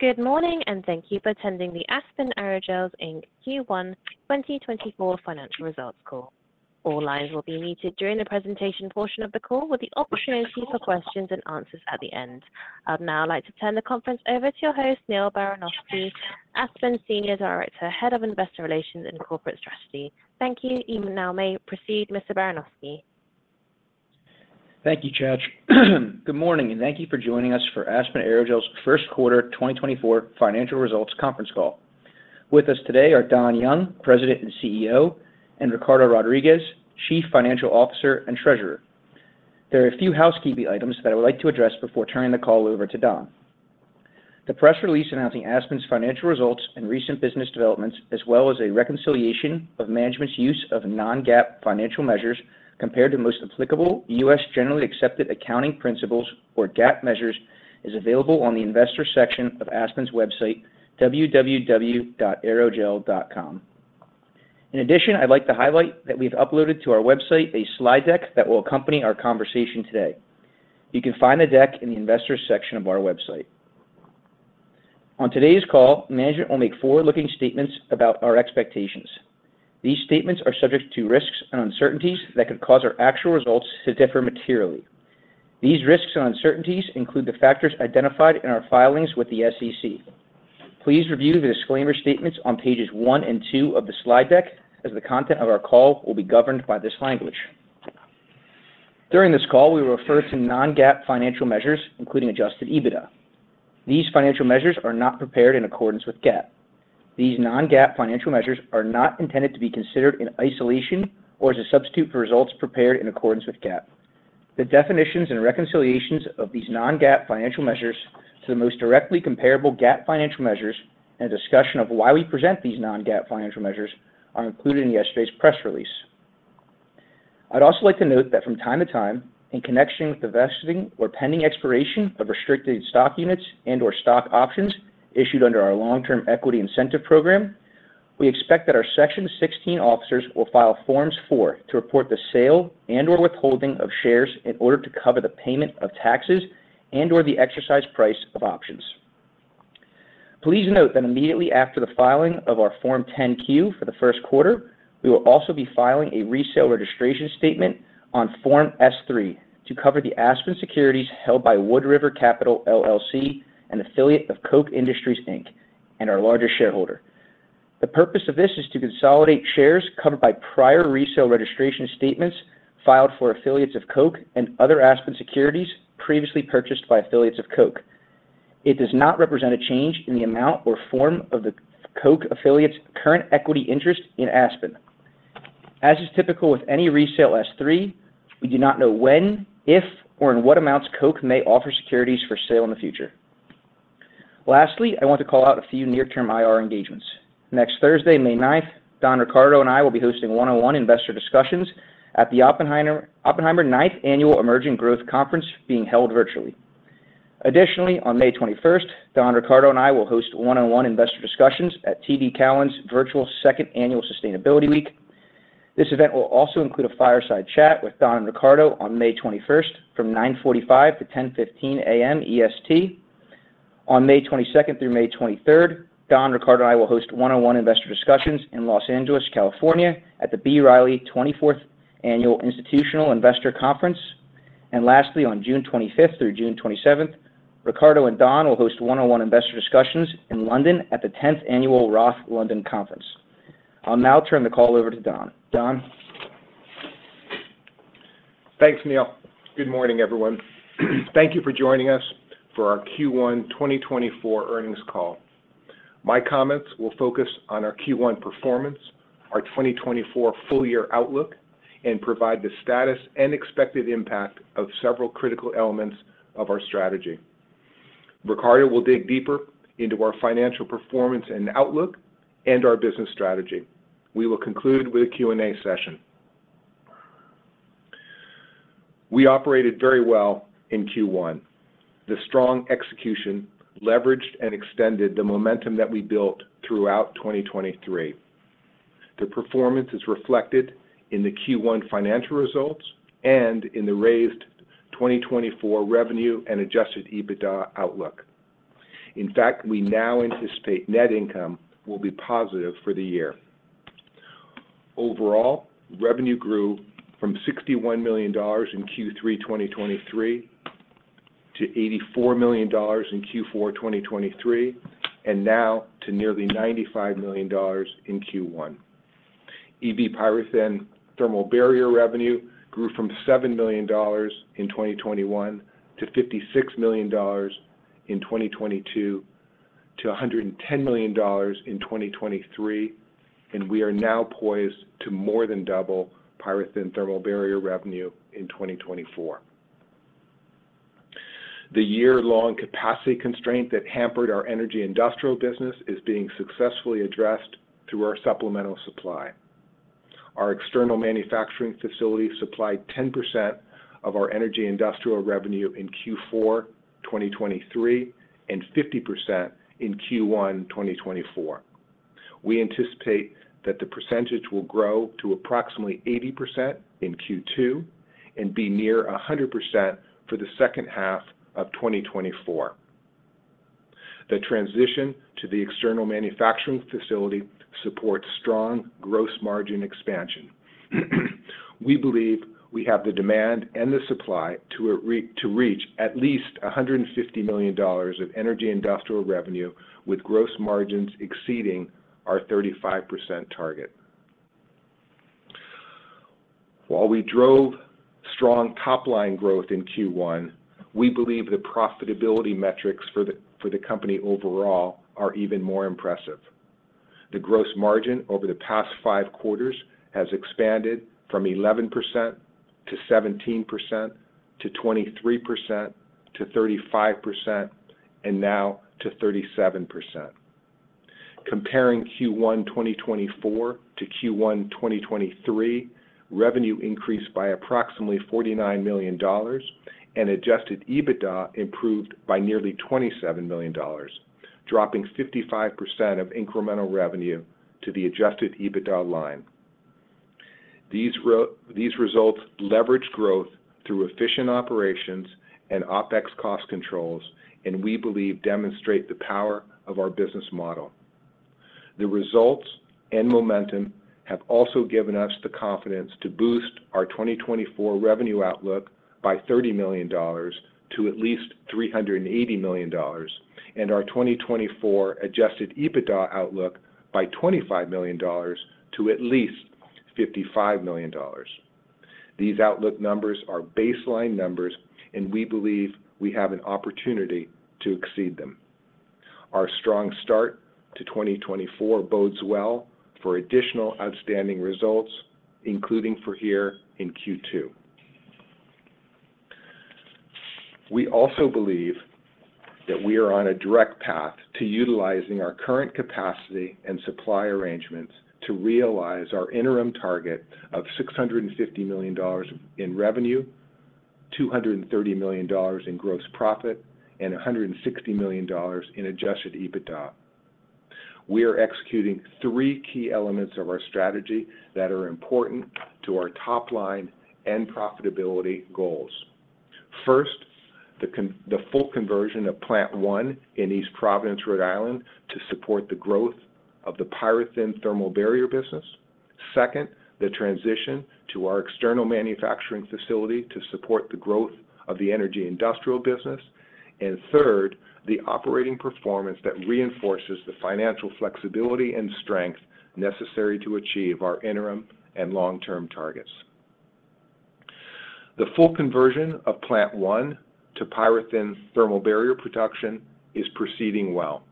Good morning, and thank you for attending the Aspen Aerogels, Inc. Q1 2024 financial results call. All lines will be muted during the presentation portion of the call, with the opportunity for questions and answers at the end. I'd now like to turn the conference over to your host, Neil Baranowski, Aspen Senior Director, Head of Investor Relations and Corporate Strategy. Thank you. You now may proceed, Mr. Baranowski. Thank you, Chad. Good morning, and thank you for joining us for Aspen Aerogels' first quarter 2024 financial results conference call. With us today are Don Young, President and CEO, and Ricardo Rodriguez, Chief Financial Officer and Treasurer. There are a few housekeeping items that I would like to address before turning the call over to Don. The press release announcing Aspen's financial results and recent business developments, as well as a reconciliation of management's use of non-GAAP financial measures compared to most applicable U.S. generally accepted accounting principles or GAAP measures, is available on the investor section of Aspen's website, www.aerogel.com. In addition, I'd like to highlight that we've uploaded to our website a slide deck that will accompany our conversation today. You can find the deck in the Investors section of our website. On today's call, management will make forward-looking statements about our expectations. These statements are subject to risks and uncertainties that could cause our actual results to differ materially. These risks and uncertainties include the factors identified in our filings with the SEC. Please review the disclaimer statements on pages one and two of the slide deck, as the content of our call will be governed by this language. During this call, we will refer to non-GAAP financial measures, including Adjusted EBITDA. These financial measures are not prepared in accordance with GAAP. These non-GAAP financial measures are not intended to be considered in isolation or as a substitute for results prepared in accordance with GAAP. The definitions and reconciliations of these non-GAAP financial measures to the most directly comparable GAAP financial measures and a discussion of why we present these non-GAAP financial measures are included in yesterday's press release. I'd also like to note that from time to time, in connection with the vesting or pending expiration of restricted stock units and/or stock options issued under our long-term equity incentive program, we expect that our Section 16 officers will file Forms 4 to report the sale and/or withholding of shares in order to cover the payment of taxes and/or the exercise price of options. Please note that immediately after the filing of our Form 10-Q for the first quarter, we will also be filing a resale registration statement on Form S-3 to cover the Aspen securities held by Wood River Capital, LLC, an affiliate of Koch Industries, Inc., and our largest shareholder. The purpose of this is to consolidate shares covered by prior resale registration statements filed for affiliates of Koch and other Aspen securities previously purchased by affiliates of Koch. It does not represent a change in the amount or form of the Koch affiliate's current equity interest in Aspen. As is typical with any resale S-3, we do not know when, if, or in what amounts Koch may offer securities for sale in the future. Lastly, I want to call out a few near-term IR engagements. Next Thursday, May 9, Don, Ricardo and I will be hosting one-on-one investor discussions at the Oppenheimer's ninth Annual Emerging Growth Conference being held virtually. Additionally, on May 21, Don, Ricardo and I will host one-on-one investor discussions at TD Cowen's virtual Second Annual Sustainability Week. This event will also include a fireside chat with Don and Ricardo on May 21 from 9:45 to 10:15 A.M. EST. On May 22nd through May 23rd, Don, Ricardo, and I will host one-on-one investor discussions in Los Angeles, California, at the B. Riley 24th Annual Institutional Investor Conference. And lastly, on June 25th through June 27th, Ricardo and Don will host one-on-one investor discussions in London at the 10th Annual Roth London Conference. I'll now turn the call over to Don. Don? Thanks, Neil. Good morning, everyone. Thank you for joining us for our Q1 2024 earnings call. My comments will focus on our Q1 performance, our 2024 full year outlook, and provide the status and expected impact of several critical elements of our strategy. Ricardo will dig deeper into our financial performance and outlook and our business strategy. We will conclude with a Q&A session. We operated very well in Q1. The strong execution leveraged and extended the momentum that we built throughout 2023. The performance is reflected in the Q1 financial results and in the raised 2024 revenue and adjusted EBITDA outlook. In fact, we now anticipate net income will be positive for the year. Overall, revenue grew from $61 million in Q3 2023, to $84 million in Q4 2023, and now to nearly $95 million in Q1. EV PyroThin Thermal Barrier revenue grew from $7 million in 2021 to $56 million in 2022, to $110 million in 2023, and we are now poised to more than double PyroThin Thermal Barrier revenue in 2024. The year-long capacity constraint that hampered our energy industrial business is being successfully addressed through our supplemental supply. Our external manufacturing facility supplied 10% of our energy industrial revenue in Q4 2023, and 50% in Q1 2024. We anticipate that the percentage will grow to approximately 80% in Q2 and be near 100% for the second half of 2024. The transition to the external manufacturing facility supports strong gross margin expansion. We believe we have the demand and the supply to reach at least $150 million of energy industrial revenue, with gross margins exceeding our 35% target. While we drove strong top-line growth in Q1, we believe the profitability metrics for the company overall are even more impressive. The gross margin over the past five quarters has expanded from 11% to 17%, to 23%, to 35%, and now to 37%. Comparing Q1 2024 to Q1 2023, revenue increased by approximately $49 million, and adjusted EBITDA improved by nearly $27 million, dropping 55% of incremental revenue to the adjusted EBITDA line. These results leverage growth through efficient operations and OpEx cost controls, and we believe demonstrate the power of our business model. The results and momentum have also given us the confidence to boost our 2024 revenue outlook by $30 million to at least $380 million, and our 2024 Adjusted EBITDA outlook by $25 million to at least $55 million. These outlook numbers are baseline numbers, and we believe we have an opportunity to exceed them. Our strong start to 2024 bodes well for additional outstanding results, including for here in Q2. We also believe that we are on a direct path to utilizing our current capacity and supply arrangements to realize our interim target of $650 million in revenue, $230 million in gross profit, and $160 million in Adjusted EBITDA. We are executing three key elements of our strategy that are important to our top line and profitability goals. First, the full conversion of Plant One in East Providence, Rhode Island, to support the growth of the PyroThin Thermal Barrier business. Second, the transition to our external manufacturing facility to support the growth of the energy industrial business. And third, the operating performance that reinforces the financial flexibility and strength necessary to achieve our interim and long-term targets. The full conversion of Plant One to PyroThin Thermal Barrier production is proceeding well.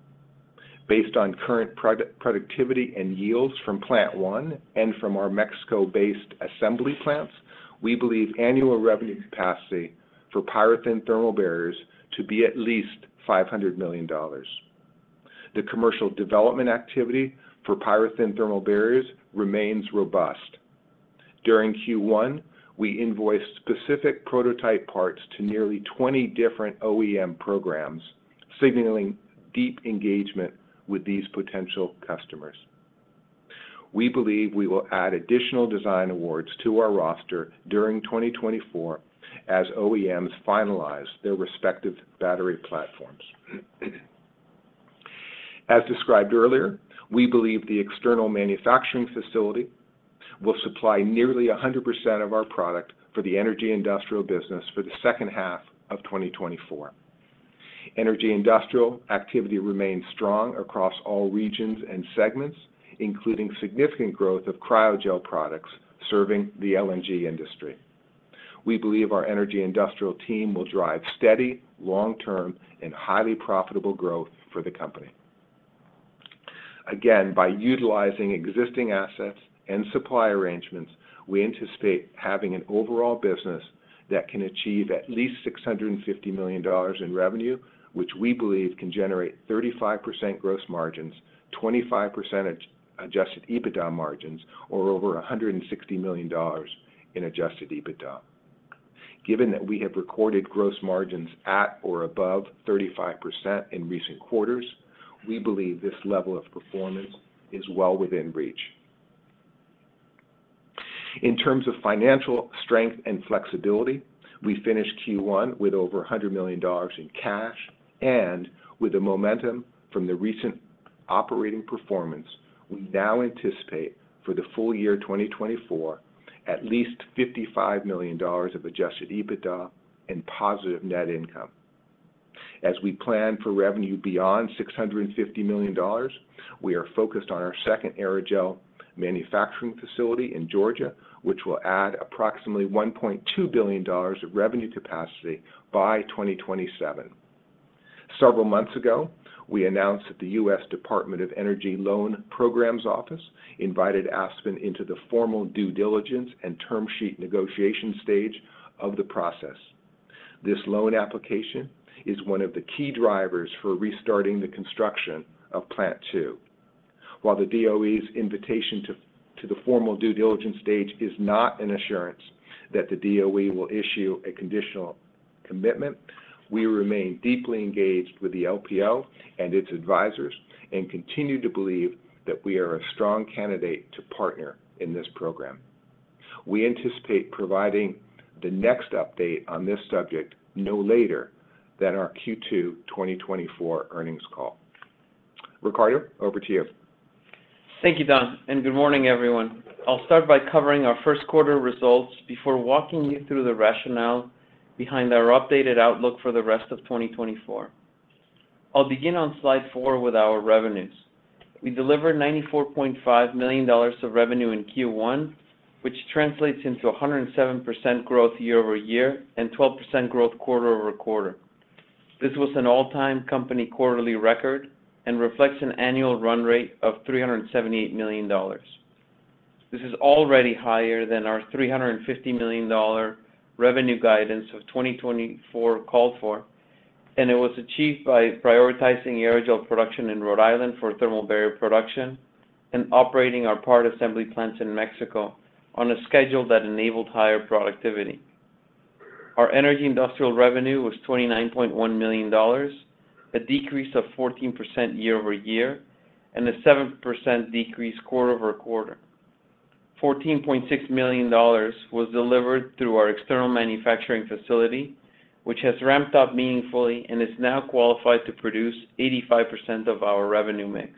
Based on current productivity and yields from Plant One and from our Mexico-based assembly plants, we believe annual revenue capacity for PyroThin Thermal Barriers to be at least $500 million. The commercial development activity for PyroThin Thermal Barriers remains robust. During Q1, we invoiced specific prototype parts to nearly 20 different OEM programs, signaling deep engagement with these potential customers. We believe we will add additional design awards to our roster during 2024 as OEMs finalize their respective battery platforms. As described earlier, we believe the external manufacturing facility will supply nearly 100% of our product for the energy industrial business for the second half of 2024. Energy industrial activity remains strong across all regions and segments, including significant growth of Cryogel products serving the LNG industry. We believe our energy industrial team will drive steady, long-term, and highly profitable growth for the company. Again, by utilizing existing assets and supply arrangements, we anticipate having an overall business that can achieve at least $650 million in revenue, which we believe can generate 35% gross margins, 25% Adjusted EBITDA margins, or over $160 million in Adjusted EBITDA. Given that we have recorded gross margins at or above 35% in recent quarters, we believe this level of performance is well within reach. In terms of financial strength and flexibility, we finished Q1 with over $100 million in cash. And with the momentum from the recent operating performance, we now anticipate, for the full year 2024, at least $55 million of Adjusted EBITDA and positive net income. As we plan for revenue beyond $650 million, we are focused on our second aerogel manufacturing facility in Georgia, which will add approximately $1.2 billion of revenue capacity by 2027. Several months ago, we announced that the U.S. Department of Energy Loan Programs Office invited Aspen into the formal due diligence and term sheet negotiation stage of the process. This loan application is one of the key drivers for restarting the construction of Plant 2. While the DOE's invitation to the formal due diligence stage is not an assurance that the DOE will issue a conditional commitment, we remain deeply engaged with the LPO and its advisors, and continue to believe that we are a strong candidate to partner in this program. We anticipate providing the next update on this subject no later than our Q2 2024 earnings call. Ricardo, over to you. Thank you, Don, and good morning, everyone. I'll start by covering our first quarter results before walking you through the rationale behind our updated outlook for the rest of 2024. I'll begin on slide four with our revenues. We delivered $94.5 million of revenue in Q1, which translates into 107% growth year-over-year and 12% growth quarter-over-quarter. This was an all-time company quarterly record and reflects an annual run rate of $378 million. This is already higher than our $350 million revenue guidance for 2024 called for, and it was achieved by prioritizing aerogel production in Rhode Island for thermal barrier production and operating our part assembly plants in Mexico on a schedule that enabled higher productivity. Our energy industrial revenue was $29.1 million, a decrease of 14% year-over-year and a 7% decrease quarter-over-quarter. $14.6 million was delivered through our external manufacturing facility, which has ramped up meaningfully and is now qualified to produce 85% of our revenue mix.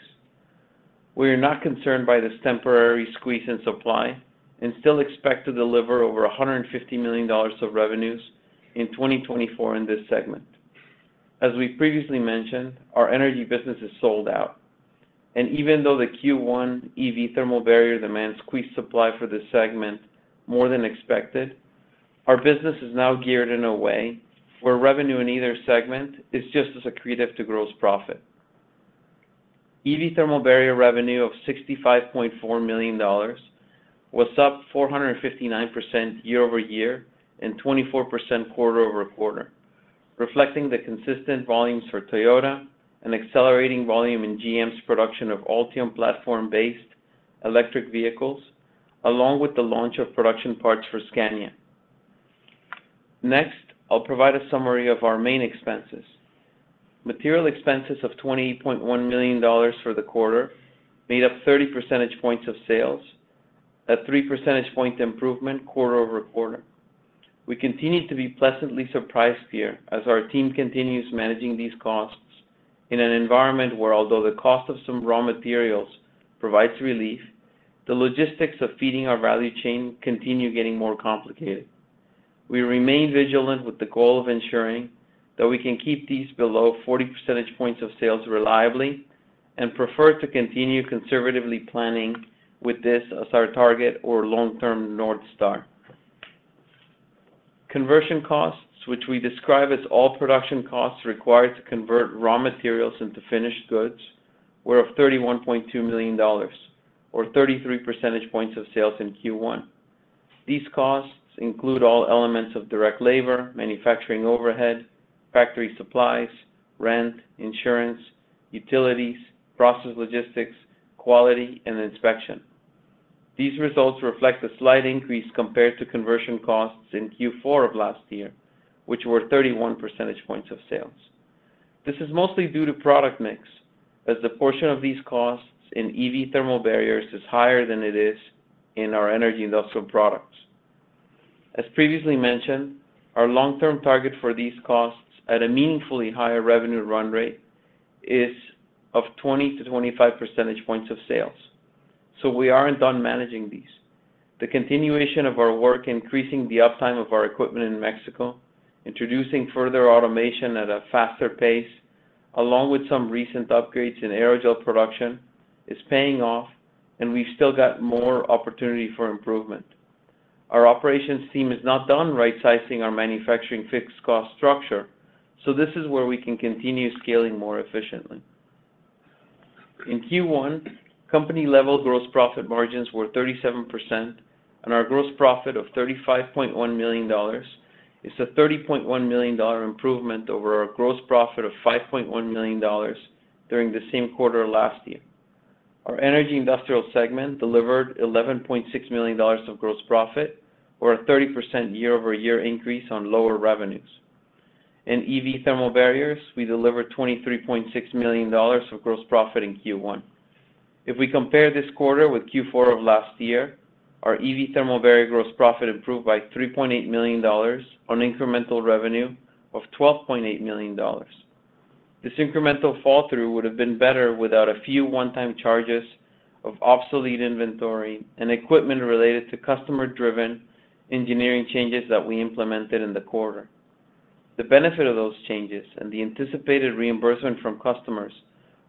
We are not concerned by this temporary squeeze in supply and still expect to deliver over $150 million of revenues in 2024 in this segment. As we previously mentioned, our energy business is sold out, and even though the Q1 EV thermal barrier demand squeezed supply for this segment more than expected, our business is now geared in a way where revenue in either segment is just as accretive to gross profit. EV thermal barrier revenue of $65.4 million was up 459% year-over-year and 24% quarter-over-quarter, reflecting the consistent volumes for Toyota and accelerating volume in GM's production of Ultium platform-based electric vehicles, along with the launch of production parts for Scania. Next, I'll provide a summary of our main expenses. Material expenses of $28.1 million for the quarter made up 30 percentage points of sales, a 3 percentage point improvement quarter-over-quarter. We continue to be pleasantly surprised here as our team continues managing these costs in an environment where, although the cost of some raw materials provides relief, the logistics of feeding our value chain continue getting more complicated. We remain vigilant with the goal of ensuring that we can keep these below 40 percentage points of sales reliably and prefer to continue conservatively planning with this as our target or long-term North Star. Conversion costs, which we describe as all production costs required to convert raw materials into finished goods, were $31.2 million, or 33 percentage points of sales in Q1. These costs include all elements of direct labor, manufacturing overhead, factory supplies, rent, insurance, utilities, process logistics, quality, and inspection. These results reflect a slight increase compared to conversion costs in Q4 of last year, which were 31 percentage points of sales. This is mostly due to product mix, as the portion of these costs in EV thermal barriers is higher than it is in our energy industrial products. As previously mentioned, our long-term target for these costs at a meaningfully higher revenue run rate is of 20-25 percentage points of sales, so we aren't done managing these. The continuation of our work, increasing the uptime of our equipment in Mexico, introducing further automation at a faster pace, along with some recent upgrades in aerogel production, is paying off, and we've still got more opportunity for improvement. Our operations team is not done right-sizing our manufacturing fixed cost structure, so this is where we can continue scaling more efficiently. In Q1, company-level gross profit margins were 37%, and our gross profit of $35.1 million is a $30.1 million improvement over our gross profit of $5.1 million during the same quarter last year. Our energy industrial segment delivered $11.6 million of gross profit, or a 30% year-over-year increase on lower revenues. In EV thermal barriers, we delivered $23.6 million of gross profit in Q1. If we compare this quarter with Q4 of last year, our EV thermal barrier gross profit improved by $3.8 million on incremental revenue of $12.8 million. This incremental fall through would have been better without a few one-time charges of obsolete inventory and equipment related to customer-driven engineering changes that we implemented in the quarter. The benefit of those changes and the anticipated reimbursement from customers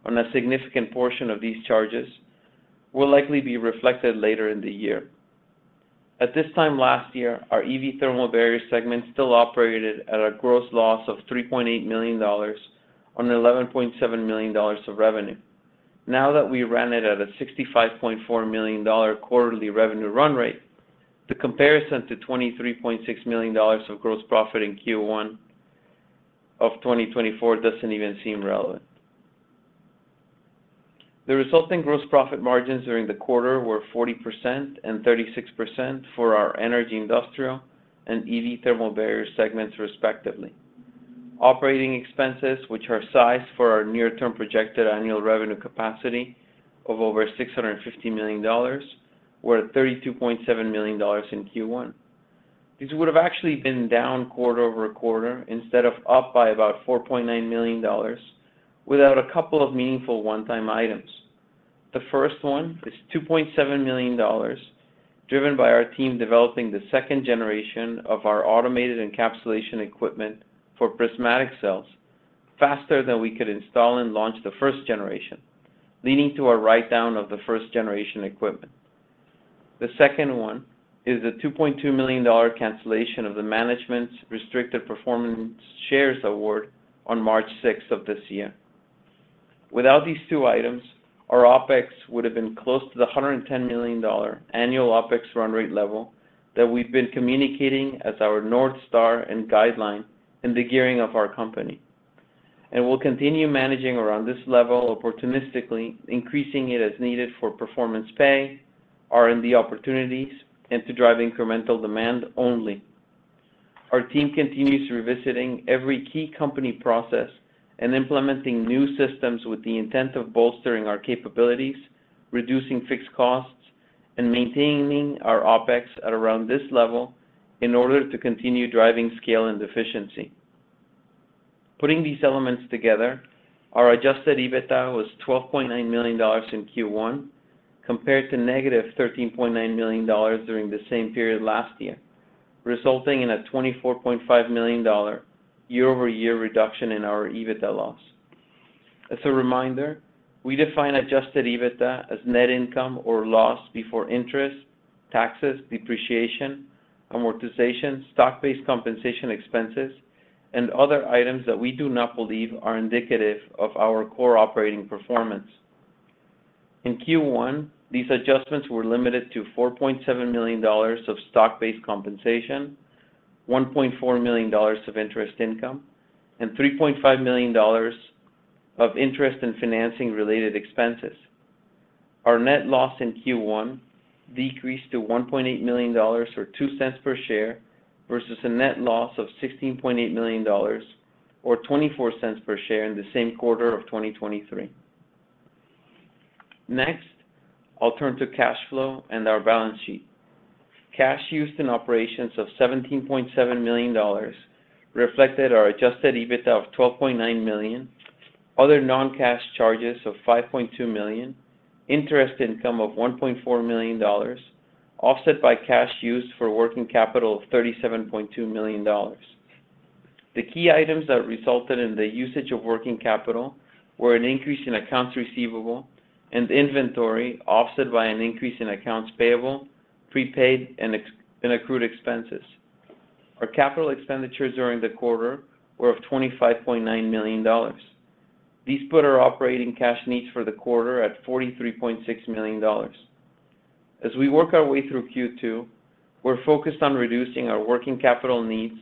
on a significant portion of these charges will likely be reflected later in the year. At this time last year, our EV thermal barrier segment still operated at a gross loss of $3.8 million on $11.7 million of revenue. Now that we ran it at a $65.4 million quarterly revenue run rate, the comparison to $23.6 million of gross profit in Q1 of 2024 doesn't even seem relevant. The resulting gross profit margins during the quarter were 40% and 36% for our energy, industrial, and EV thermal barrier segments, respectively. Operating expenses, which are sized for our near-term projected annual revenue capacity of over $650 million, were at $32.7 million in Q1. These would have actually been down quarter-over-quarter, instead of up by about $4.9 million, without a couple of meaningful one-time items. The first one is $2.7 million, driven by our team developing the second generation of our automated encapsulation equipment for prismatic cells faster than we could install and launch the first generation, leading to a write-down of the first generation equipment. The second one is a $2.2 million cancellation of the management's restricted performance shares award on March sixth of this year. Without these two items, our OpEx would have been close to the $110 million annual OpEx run rate level that we've been communicating as our North Star and guideline in the gearing of our company. We'll continue managing around this level, opportunistically increasing it as needed for performance pay, R&D opportunities, and to drive incremental demand only. Our team continues revisiting every key company process and implementing new systems with the intent of bolstering our capabilities, reducing fixed costs, and maintaining our OpEx at around this level in order to continue driving scale and efficiency. Putting these elements together, our adjusted EBITDA was $12.9 million in Q1, compared to -$13.9 million during the same period last year, resulting in a $24.5 million year-over-year reduction in our EBITDA loss. As a reminder, we define adjusted EBITDA as net income or loss before interest, taxes, depreciation, amortization, stock-based compensation expenses, and other items that we do not believe are indicative of our core operating performance. In Q1, these adjustments were limited to $4.7 million of stock-based compensation, $1.4 million of interest income, and $3.5 million of interest and financing-related expenses. Our net loss in Q1 decreased to $1.8 million, or $0.02 per share, versus a net loss of $16.8 million, or $0.24 per share, in the same quarter of 2023. Next, I'll turn to cash flow and our balance sheet. Cash used in operations of $17.7 million reflected our Adjusted EBITDA of $12.9 million, other non-cash charges of $5.2 million, interest income of $1.4 million, offset by cash used for working capital of $37.2 million. The key items that resulted in the usage of working capital were an increase in accounts receivable and inventory, offset by an increase in accounts payable, prepaid expenses and accrued expenses. Our capital expenditures during the quarter were $25.9 million. These put our operating cash needs for the quarter at $43.6 million. As we work our way through Q2, we're focused on reducing our working capital needs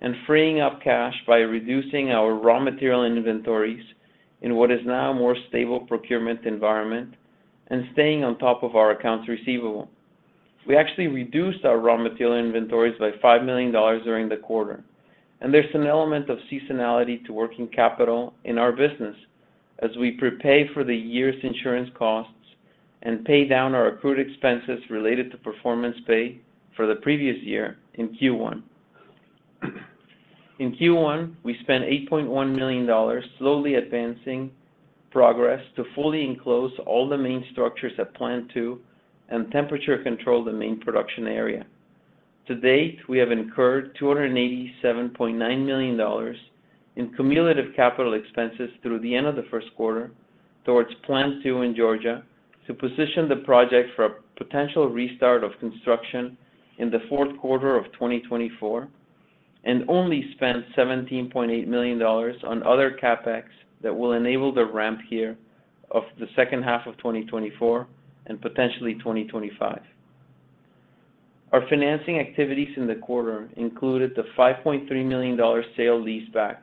and freeing up cash by reducing our raw material inventories in what is now a more stable procurement environment and staying on top of our accounts receivable. We actually reduced our raw material inventories by $5 million during the quarter, and there's an element of seasonality to working capital in our business as we prepay for the year's insurance costs and pay down our accrued expenses related to performance pay for the previous year in Q1. In Q1, we spent $8.1 million, slowly advancing progress to fully enclose all the main structures at Plant 2 and temperature control the main production area. To date, we have incurred $287.9 million in cumulative capital expenses through the end of the first quarter towards Plant 2 in Georgia, to position the project for a potential restart of construction in the fourth quarter of 2024, and only spent $17.8 million on other CapEx that will enable the ramp here of the second half of 2024 and potentially 2025. Our financing activities in the quarter included the $5.3 million sale leaseback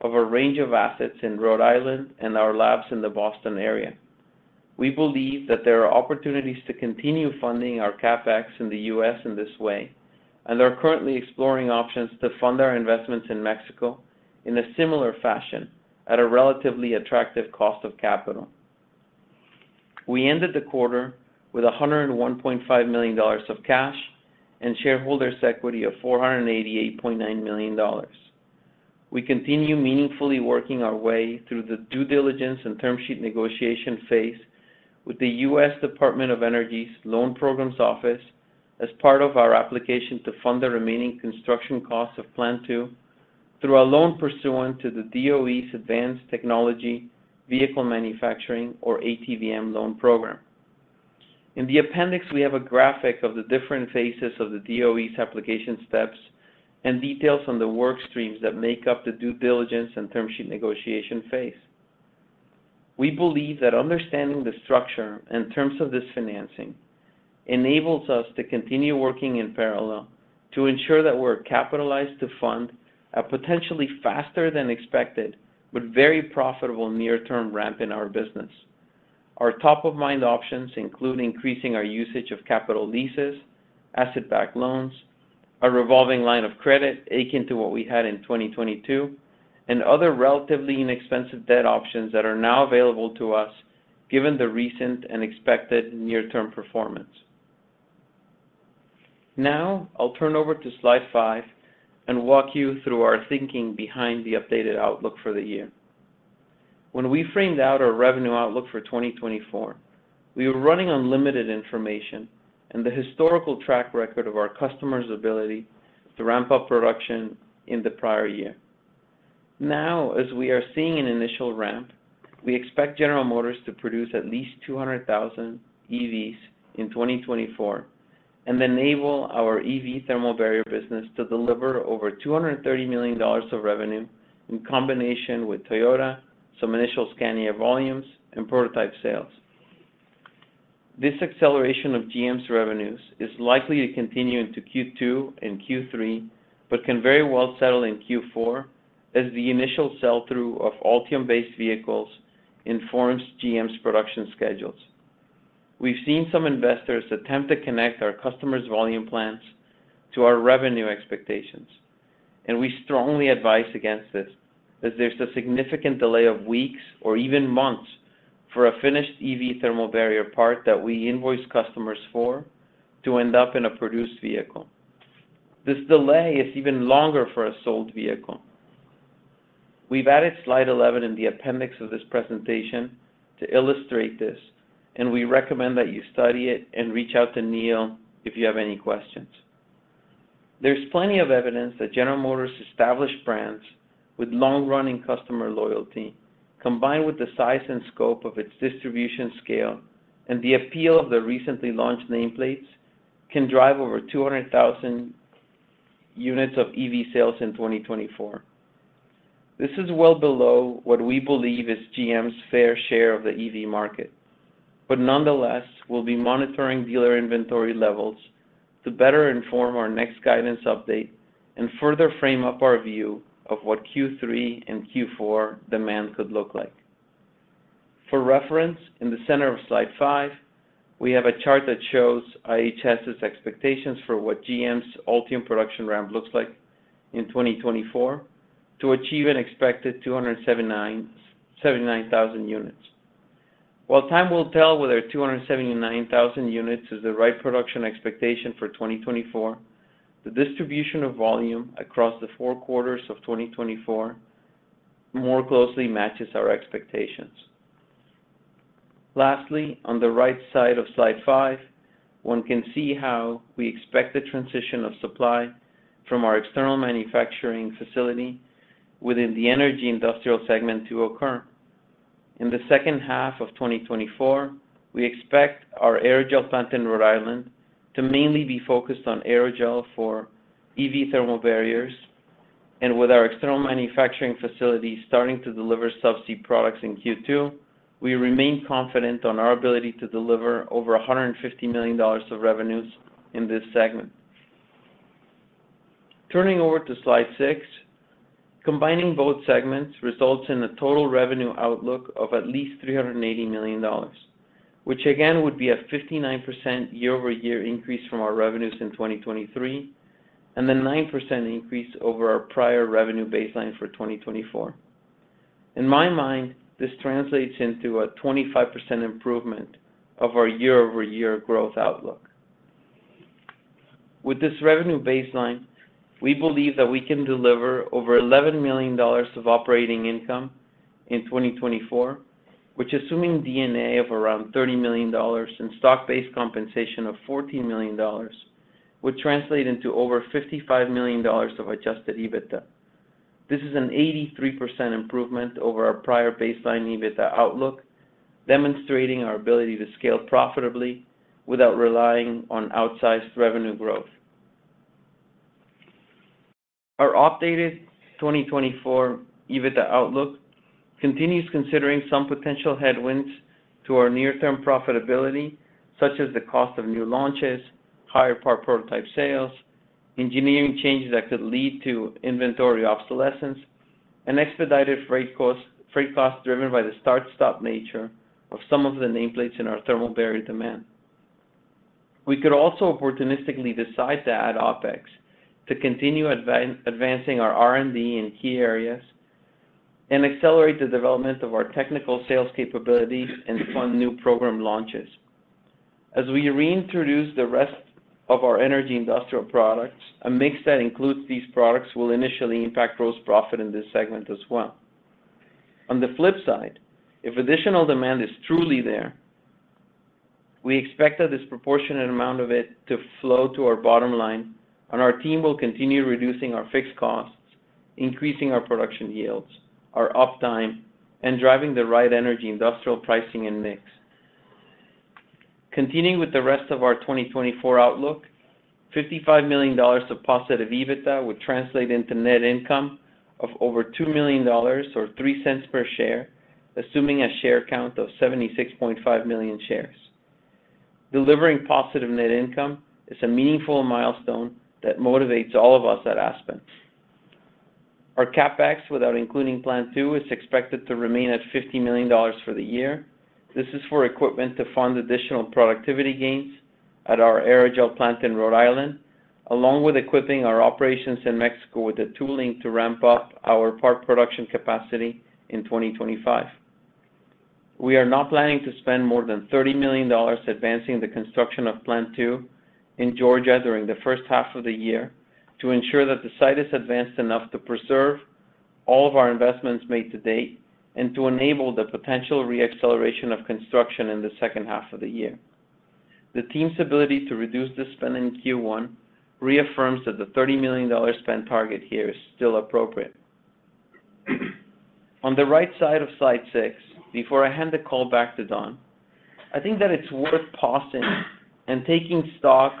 of a range of assets in Rhode Island and our labs in the Boston area. We believe that there are opportunities to continue funding our CapEx in the U.S. in this way, and are currently exploring options to fund our investments in Mexico in a similar fashion at a relatively attractive cost of capital. We ended the quarter with $101.5 million of cash and shareholders' equity of $488.9 million. We continue meaningfully working our way through the due diligence and term sheet negotiation phase with the U.S. Department of Energy's Loan Programs Office as part of our application to fund the remaining construction costs of Plant 2 through a loan pursuant to the DOE's Advanced Technology Vehicles Manufacturing, or ATVM, loan program. In the appendix, we have a graphic of the different phases of the DOE's application steps and details on the work streams that make up the due diligence and term sheet negotiation phase. We believe that understanding the structure and terms of this financing. Enables us to continue working in parallel to ensure that we're capitalized to fund a potentially faster than expected, but very profitable near-term ramp in our business. Our top-of-mind options include increasing our usage of capital leases, asset-backed loans, a revolving line of credit akin to what we had in 2022, and other relatively inexpensive debt options that are now available to us, given the recent and expected near-term performance. Now, I'll turn over to slide five and walk you through our thinking behind the updated outlook for the year. When we framed out our revenue outlook for 2024, we were running on limited information and the historical track record of our customers' ability to ramp up production in the prior year. Now, as we are seeing an initial ramp, we expect General Motors to produce at least 200,000 EVs in 2024, and enable our EV thermal barrier business to deliver over $230 million of revenue in combination with Toyota, some initial Scania volumes, and prototype sales. This acceleration of GM's revenues is likely to continue into Q2 and Q3, but can very well settle in Q4 as the initial sell-through of Ultium-based vehicles informs GM's production schedules. We've seen some investors attempt to connect our customers' volume plans to our revenue expectations, and we strongly advise against this, as there's a significant delay of weeks or even months for a finished EV thermal barrier part that we invoice customers for to end up in a produced vehicle. This delay is even longer for a sold vehicle. We've added slide 11 in the appendix of this presentation to illustrate this, and we recommend that you study it and reach out to Neil if you have any questions. There's plenty of evidence that General Motors established brands with long-running customer loyalty, combined with the size and scope of its distribution scale and the appeal of the recently launched nameplates, can drive over 200,000 units of EV sales in 2024. This is well below what we believe is GM's fair share of the EV market. But nonetheless, we'll be monitoring dealer inventory levels to better inform our next guidance update and further frame up our view of what Q3 and Q4 demand could look like. For reference, in the center of slide five, we have a chart that shows IHS's expectations for what GM's Ultium production ramp looks like in 2024 to achieve an expected 279,000 units. While time will tell whether 279,000 units is the right production expectation for 2024, the distribution of volume across the four quarters of 2024 more closely matches our expectations. Lastly, on the right side of slide five, one can see how we expect the transition of supply from our external manufacturing facility within the energy industrial segment to occur. In the second half of 2024, we expect our aerogel plant in Rhode Island to mainly be focused on aerogel for EV thermal barriers, and with our external manufacturing facility starting to deliver subsea products in Q2, we remain confident on our ability to deliver over $150 million of revenues in this segment. Turning over to Slide 6, combining both segments results in a total revenue outlook of at least $380 million, which again, would be a 59% year-over-year increase from our revenues in 2023, and a 9% increase over our prior revenue baseline for 2024. In my mind, this translates into a 25% improvement of our year-over-year growth outlook. With this revenue baseline, we believe that we can deliver over $11 million of operating income in 2024, which, assuming D&A of around $30 million in stock-based compensation of $14 million, would translate into over $55 million of adjusted EBITDA. This is an 83% improvement over our prior baseline EBITDA outlook, demonstrating our ability to scale profitably without relying on outsized revenue growth. Our updated 2024 EBITDA outlook continues considering some potential headwinds to our near-term profitability, such as the cost of new launches, higher part prototype sales, engineering changes that could lead to inventory obsolescence, and expedited freight costs, freight costs driven by the start-stop nature of some of the nameplates in our thermal barrier demand. We could also opportunistically decide to add OpEx to continue advancing our R&D in key areas and accelerate the development of our technical sales capabilities and fund new program launches. As we reintroduce the rest of our energy industrial products, a mix that includes these products will initially impact gross profit in this segment as well. On the flip side, if additional demand is truly there, we expect a disproportionate amount of it to flow to our bottom line, and our team will continue reducing our fixed costs, increasing our production yields, our uptime, and driving the right energy industrial pricing and mix. Continuing with the rest of our 2024 outlook. $55 million of positive EBITDA would translate into net income of over $2 million, or $0.03 per share, assuming a share count of 76.5 million shares. Delivering positive net income is a meaningful milestone that motivates all of us at Aspen. Our CapEx, without including Plant Two, is expected to remain at $50 million for the year. This is for equipment to fund additional productivity gains at our aerogel plant in Rhode Island, along with equipping our operations in Mexico with the tooling to ramp up our part production capacity in 2025. We are not planning to spend more than $30 million advancing the construction of Plant Two in Georgia during the first half of the year, to ensure that the site is advanced enough to preserve all of our investments made to date, and to enable the potential re-acceleration of construction in the second half of the year. The team's ability to reduce the spend in Q1 reaffirms that the $30 million spend target here is still appropriate. On the right side of slide six, before I hand the call back to Don, I think that it's worth pausing and taking stock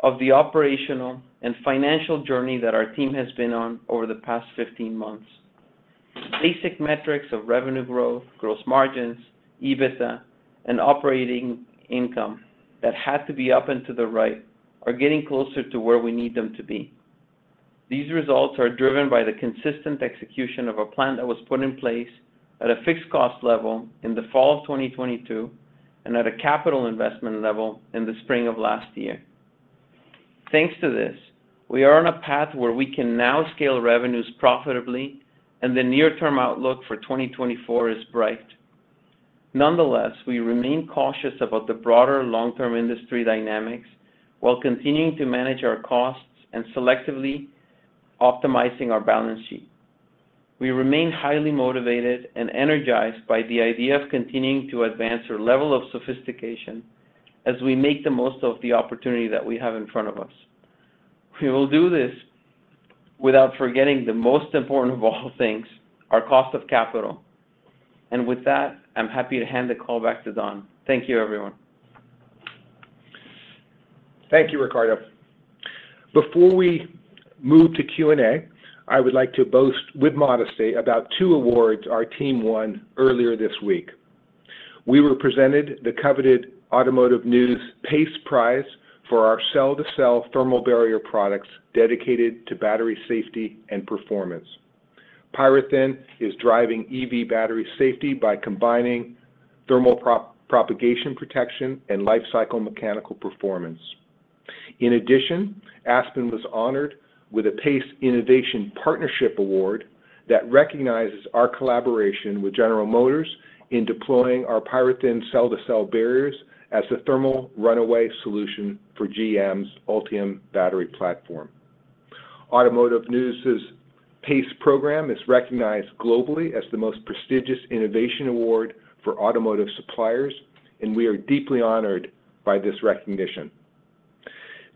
of the operational and financial journey that our team has been on over the past 15 months. Basic metrics of revenue growth, gross margins, EBITDA, and operating income that had to be up and to the right are getting closer to where we need them to be. These results are driven by the consistent execution of a plan that was put in place at a fixed cost level in the fall of 2022, and at a capital investment level in the spring of last year. Thanks to this, we are on a path where we can now scale revenues profitably, and the near-term outlook for 2024 is bright. Nonetheless, we remain cautious about the broader long-term industry dynamics while continuing to manage our costs and selectively optimizing our balance sheet. We remain highly motivated and energized by the idea of continuing to advance our level of sophistication as we make the most of the opportunity that we have in front of us. We will do this without forgetting the most important of all things, our cost of capital. And with that, I'm happy to hand the call back to Don. Thank you, everyone. Thank you, Ricardo. Before we move to Q&A, I would like to boast with modesty about two awards our team won earlier this week. We were presented the coveted Automotive News PACE Award for our cell-to-cell thermal barrier products dedicated to battery safety and performance. PyroThin is driving EV battery safety by combining thermal propagation protection and life cycle mechanical performance. In addition, Aspen was honored with a PACE Innovation Partnership Award that recognizes our collaboration with General Motors in deploying our PyroThin cell-to-cell barriers as a thermal runaway solution for GM's Ultium battery platform. Automotive News's PACE program is recognized globally as the most prestigious innovation award for automotive suppliers, and we are deeply honored by this recognition.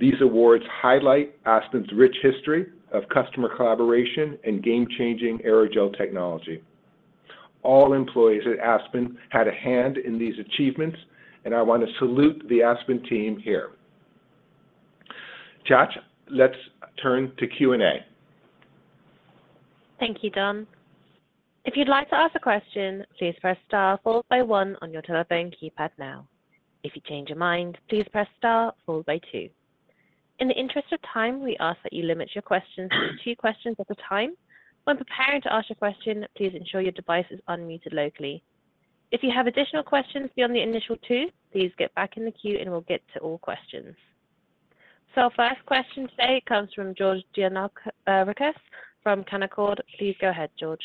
These awards highlight Aspen's rich history of customer collaboration and game-changing aerogel technology. All employees at Aspen had a hand in these achievements, and I want to salute the Aspen team here. Josh, let's turn to Q&A. Thank you, Don. If you'd like to ask a question, please press star followed by one on your telephone keypad now. If you change your mind, please press star followed by two. In the interest of time, we ask that you limit your questions to two questions at a time. When preparing to ask a question, please ensure your device is unmuted locally. If you have additional questions beyond the initial two, please get back in the queue and we'll get to all questions. So our first question today comes from George Gianarikas from Canaccord Genuity. Please go ahead, George.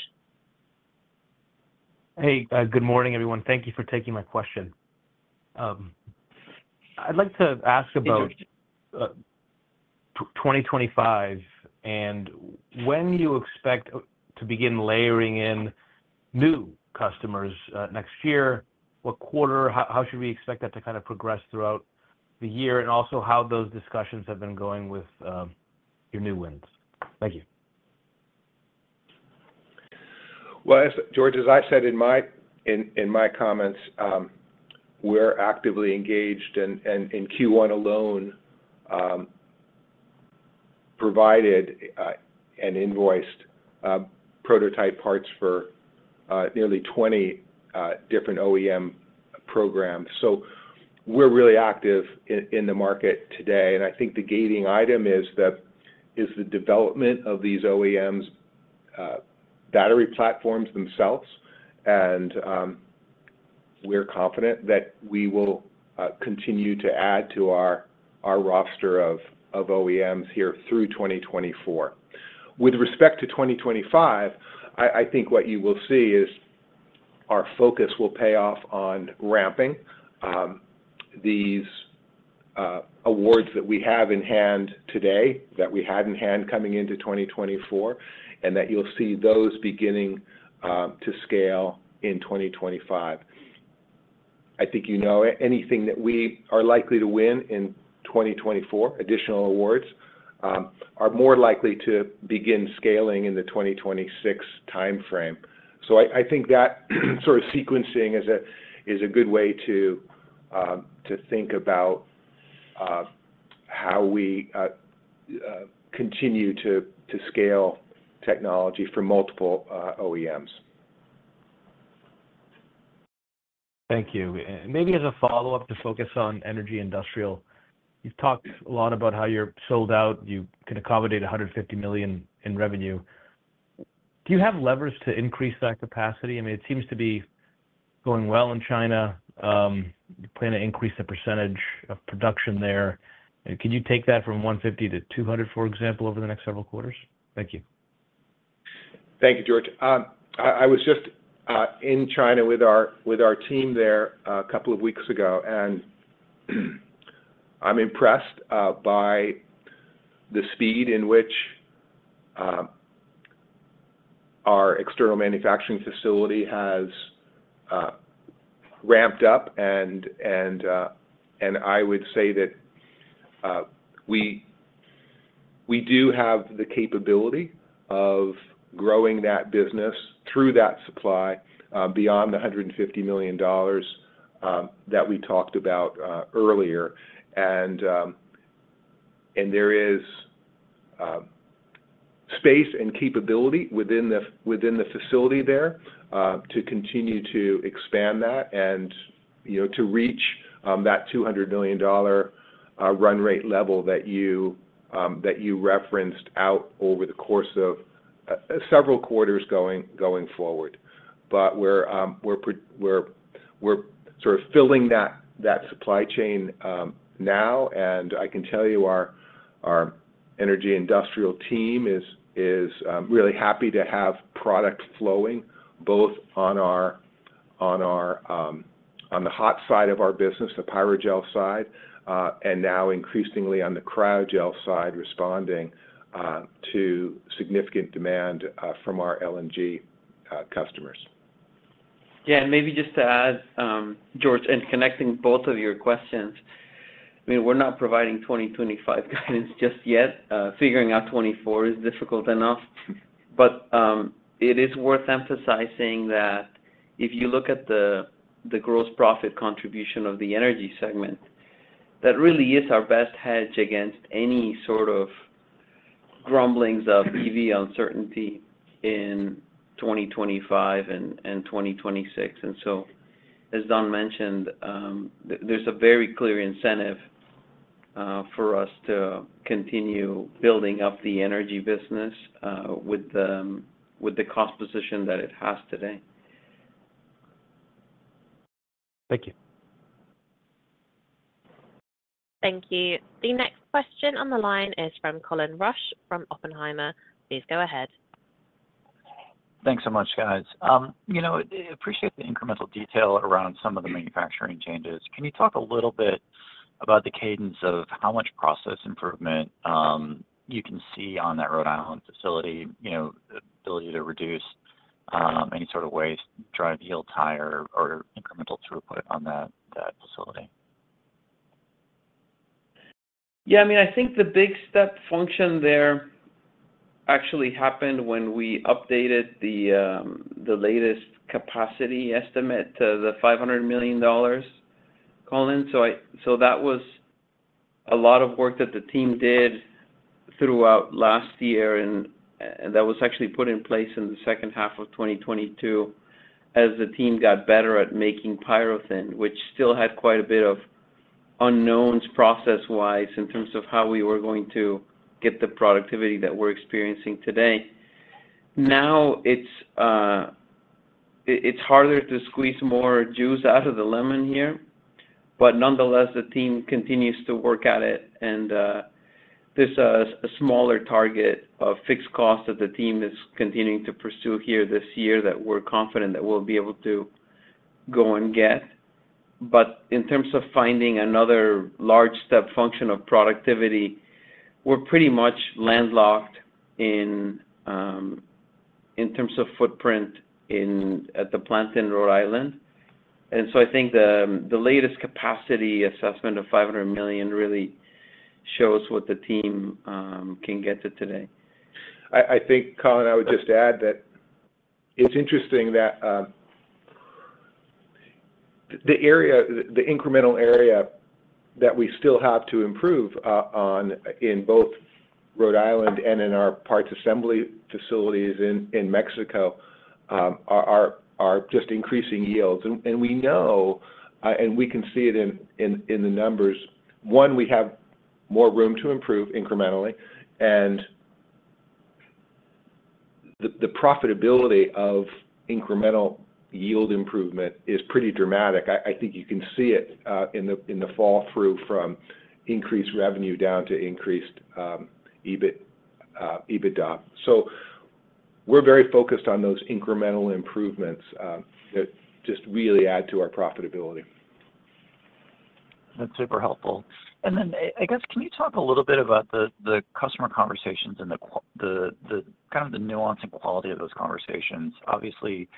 Hey, good morning, everyone. Thank you for taking my question. I'd like to ask about 2025 and when you expect to begin layering in new customers next year, what quarter? How should we expect that to kind of progress throughout the year? And also how those discussions have been going with your new wins. Thank you. Well, as George, as I said in my comments, we're actively engaged and in Q1 alone, provided and invoiced prototype parts for nearly 20 different OEM programs. So we're really active in the market today, and I think the gating item is that, is the development of these OEMs' battery platforms themselves. And we're confident that we will continue to add to our roster of OEMs here through 2024. With respect to 2025, I think what you will see is our focus will pay off on ramping these awards that we have in hand today, that we had in hand coming into 2024, and that you'll see those beginning to scale in 2025. I think, you know, anything that we are likely to win in 2024, additional awards, are more likely to begin scaling in the 2026 time frame. So I, I think that sort of sequencing is a, is a good way to, to think about, how we continue to scale technology for multiple, OEMs. Thank you. Maybe as a follow-up to focus on energy industrial, you've talked a lot about how you're sold out. You can accommodate $150 million in revenue. Do you have levers to increase that capacity? I mean, it seems to be going well in China. You plan to increase the percentage of production there. Can you take that from $150 million-$200 million, for example, over the next several quarters? Thank you. Thank you, George. I was just in China with our team there a couple of weeks ago, and I'm impressed by the speed in which our external manufacturing facility has ramped up, and I would say that we do have the capability of growing that business through that supply beyond the $150 million that we talked about earlier. And there is space and capability within the facility there to continue to expand that and, you know, to reach that $200 million run rate level that you referenced out over the course of several quarters going forward. But we're sort of filling that supply chain now, and I can tell you our energy industrial team is really happy to have product flowing both on our hot side of our business, the Pyrogel side, and now increasingly on the Cryogel side, responding to significant demand from our LNG customers. Yeah, and maybe just to add, George, and connecting both of your questions. I mean, we're not providing 2025 guidance just yet. Figuring out 2024 is difficult enough. But, it is worth emphasizing that if you look at the, the gross profit contribution of the energy segment, that really is our best hedge against any sort of grumblings of EV uncertainty in 2025 and, and 2026. And so, as Don mentioned, there's a very clear incentive, for us to continue building up the energy business, with the, with the cost position that it has today. Thank you. Thank you. The next question on the line is from Colin Rusch, from Oppenheimer. Please go ahead. Thanks so much, guys. You know, I appreciate the incremental detail around some of the manufacturing changes. Can you talk a little bit about the cadence of how much process improvement you can see on that Rhode Island facility, you know, ability to reduce any sort of waste, drive yield higher or incremental throughput on that, that facility? Yeah, I mean, I think the big step function there actually happened when we updated the latest capacity estimate to the $500 million, Colin. So that was a lot of work that the team did throughout last year, and that was actually put in place in the second half of 2022, as the team got better at making PyroThin, which still had quite a bit of unknowns, process-wise, in terms of how we were going to get the productivity that we're experiencing today. Now, it's harder to squeeze more juice out of the lemon here, but nonetheless, the team continues to work at it, and there's a smaller target of fixed cost that the team is continuing to pursue here this year that we're confident that we'll be able to go and get. But in terms of finding another large step function of productivity, we're pretty much landlocked in terms of footprint at the plant in Rhode Island. And so I think the latest capacity assessment of $500 million really shows what the team can get to today. I think, Colin, I would just add that it's interesting that the incremental area that we still have to improve on in both Rhode Island and in our parts assembly facilities in Mexico are just increasing yields. We know, and we can see it in the numbers. One, we have more room to improve incrementally, and the profitability of incremental yield improvement is pretty dramatic. I think you can see it in the flow through from increased revenue down to increased EBIT, EBITDA. So we're very focused on those incremental improvements that just really add to our profitability. That's super helpful. And then, I guess, can you talk a little bit about the customer conversations and the kind of nuance and quality of those conversations? Obviously,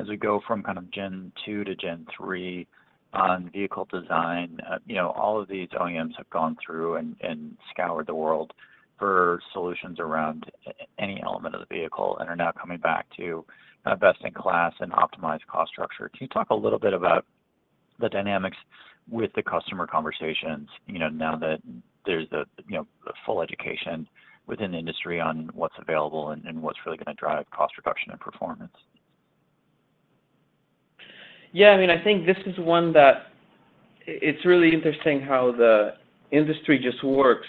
as we go from kind of Gen 2 to Gen 3 on vehicle design, you know, all of these OEMs have gone through and scoured the world for solutions around any element of the vehicle, and are now coming back to a best-in-class and optimized cost structure. Can you talk a little bit about the dynamics with the customer conversations, you know, now that there's the, you know, the full education within the industry on what's available and what's really gonna drive cost reduction and performance? Yeah, I mean, I think this is one that it's really interesting how the industry just works,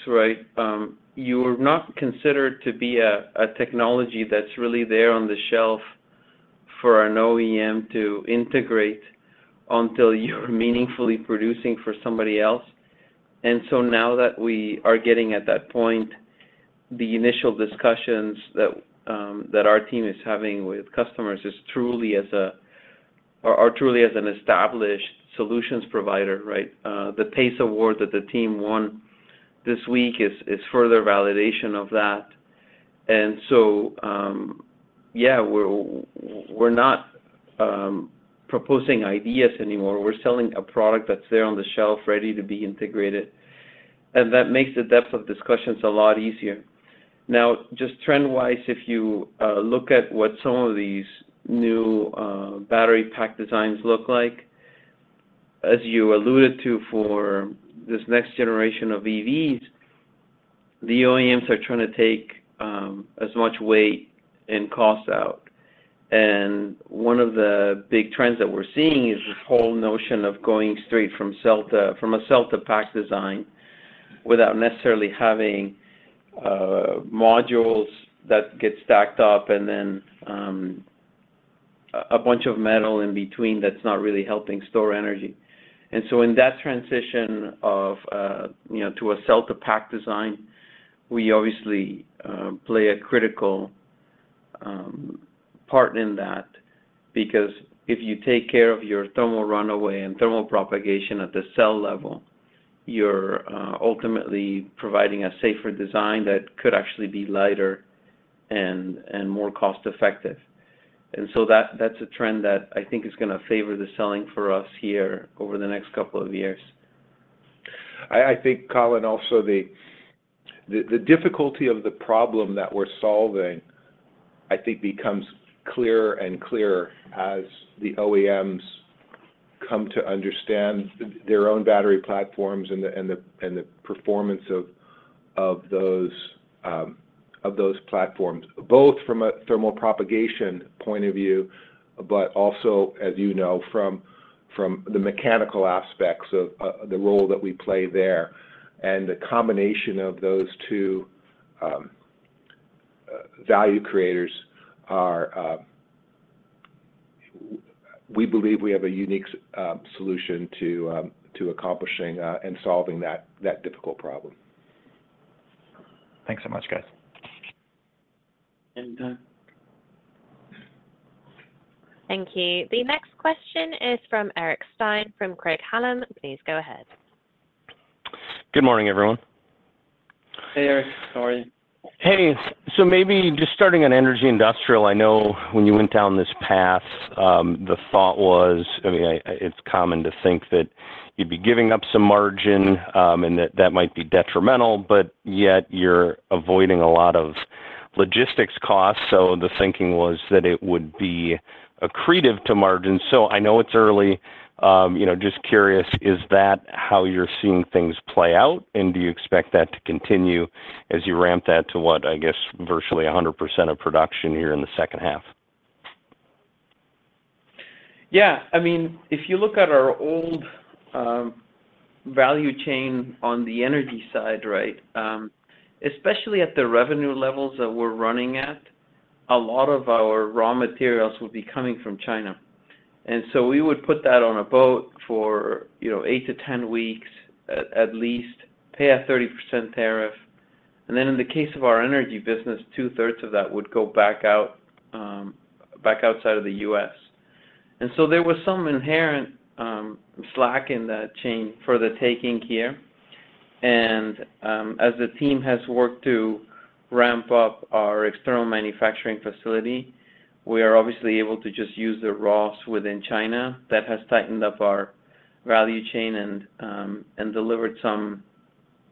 right? You are not considered to be a technology that's really there on the shelf for an OEM to integrate until you're meaningfully producing for somebody else. And so now that we are getting at that point, the initial discussions that our team is having with customers are truly as an established solutions provider, right? The PACE Award that the team won this week is further validation of that. And so, yeah, we're not proposing ideas anymore. We're selling a product that's there on the shelf, ready to be integrated, and that makes the depth of discussions a lot easier. Now, just trend-wise, if you, look at what some of these new, battery pack designs look like, as you alluded to for this next generation of EVs, the OEMs are trying to take, as much weight and cost out. One of the big trends that we're seeing is this whole notion of going straight from cell to—from a cell-to-pack design, without necessarily having, modules that get stacked up, and then, a bunch of metal in between that's not really helping store energy. So in that transition of, you know, to a cell-to-pack design, we obviously, play a critical, part in that, because if you take care of your thermal runaway and thermal propagation at the cell level, you're, ultimately providing a safer design that could actually be lighter and more cost-effective. And so that's a trend that I think is gonna favor the selling for us here over the next couple of years. I think, Colin, also the difficulty of the problem that we're solving, I think, becomes clearer and clearer as the OEMs come to understand their own battery platforms and the performance of those platforms, both from a thermal propagation point of view, but also, as you know, from the mechanical aspects of the role that we play there. And the combination of those two value creators are we believe we have a unique solution to accomplishing and solving that difficult problem. Thanks so much, guys. And done. Thank you. The next question is from Eric Stine, from Craig-Hallum. Please go ahead. Good morning, everyone. Hey, Eric, how are you? Hey, so maybe just starting on energy industrial, I know when you went down this path, the thought was... I mean, it's common to think that you'd be giving up some margin, and that that might be detrimental, but yet you're avoiding a lot of logistics costs. So the thinking was that it would be accretive to margin. So I know it's early, you know, just curious, is that how you're seeing things play out? And do you expect that to continue as you ramp that to what, I guess, virtually 100% of production here in the second half? Yeah. I mean, if you look at our old value chain on the energy side, right, especially at the revenue levels that we're running at, a lot of our raw materials would be coming from China. And so we would put that on a boat for, you know, eight to 10 weeks, at, at least, pay a 30% tariff, and then in the case of our energy business, two-thirds of that would go back out, back outside of the U.S. And so there was some inherent slack in that chain for the taking here, and, as the team has worked to ramp up our external manufacturing facility, we are obviously able to just use the raws within China. That has tightened up our value chain and, and delivered some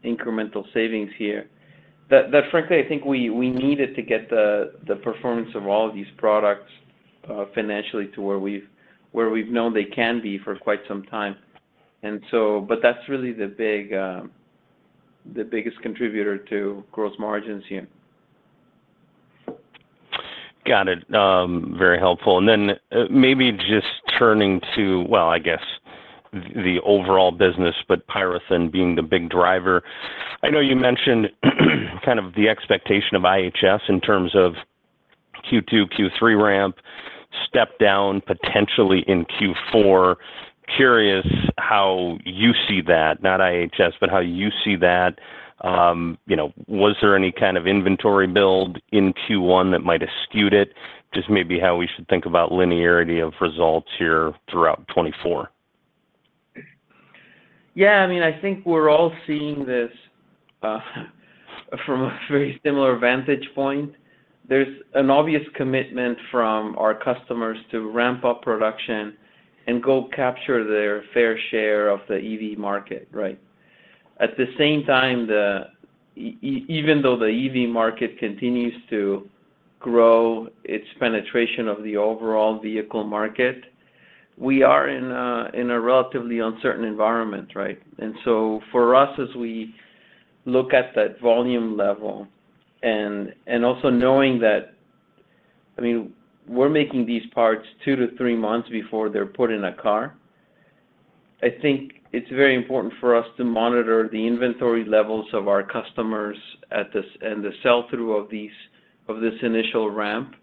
incremental savings here. That frankly, I think we needed to get the performance of all of these products financially to where we've known they can be for quite some time. But that's really the biggest contributor to gross margins here. Got it. Very helpful. And then, maybe just turning to, well, I guess, the overall business, but PyroThin being the big driver. I know you mentioned, kind of the expectation of IHS in terms of Q2, Q3 ramp, step down, potentially in Q4. Curious how you see that, not IHS, but how you see that?... you know, was there any kind of inventory build in Q1 that might have skewed it? Just maybe how we should think about linearity of results here throughout 2024. Yeah, I mean, I think we're all seeing this from a very similar vantage point. There's an obvious commitment from our customers to ramp up production and go capture their fair share of the EV market, right? At the same time, even though the EV market continues to grow its penetration of the overall vehicle market, we are in a relatively uncertain environment, right? And so for us, as we look at that volume level and also knowing that, I mean, we're making these parts 2-3 months before they're put in a car. I think it's very important for us to monitor the inventory levels of our customers at this, and the sell-through of these, of this initial ramp,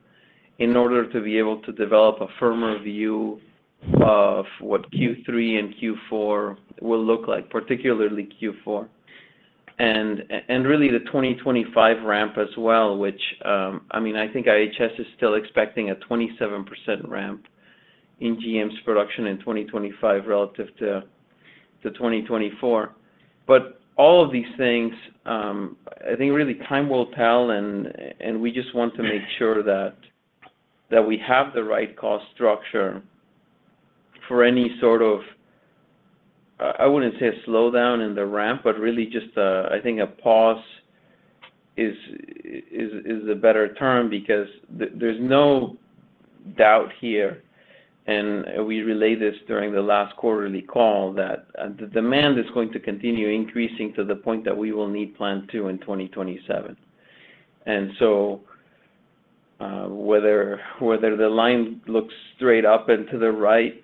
in order to be able to develop a firmer view of what Q3 and Q4 will look like, particularly Q4. And really the 2025 ramp as well, which, I mean, I think IHS is still expecting a 27% ramp in GM's production in 2025 relative to 2024. But all of these things, I think really time will tell, and we just want to make sure that we have the right cost structure for any sort of, I wouldn't say a slowdown in the ramp, but really just a, I think a pause is a better term because there's no doubt here, and we relayed this during the last quarterly call, that the demand is going to continue increasing to the point that we will need Plant 2 in 2027. And so, whether the line looks straight up and to the right,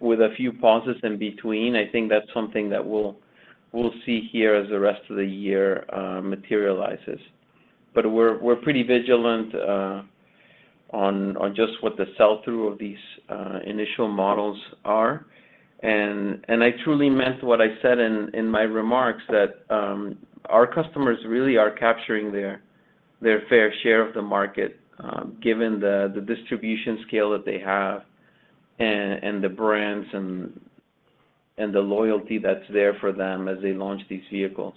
with a few pauses in between, I think that's something that we'll see here as the rest of the year materializes. But we're pretty vigilant on just what the sell-through of these initial models are. And I truly meant what I said in my remarks, that our customers really are capturing their fair share of the market, given the distribution scale that they have, and the brands and the loyalty that's there for them as they launch these vehicles.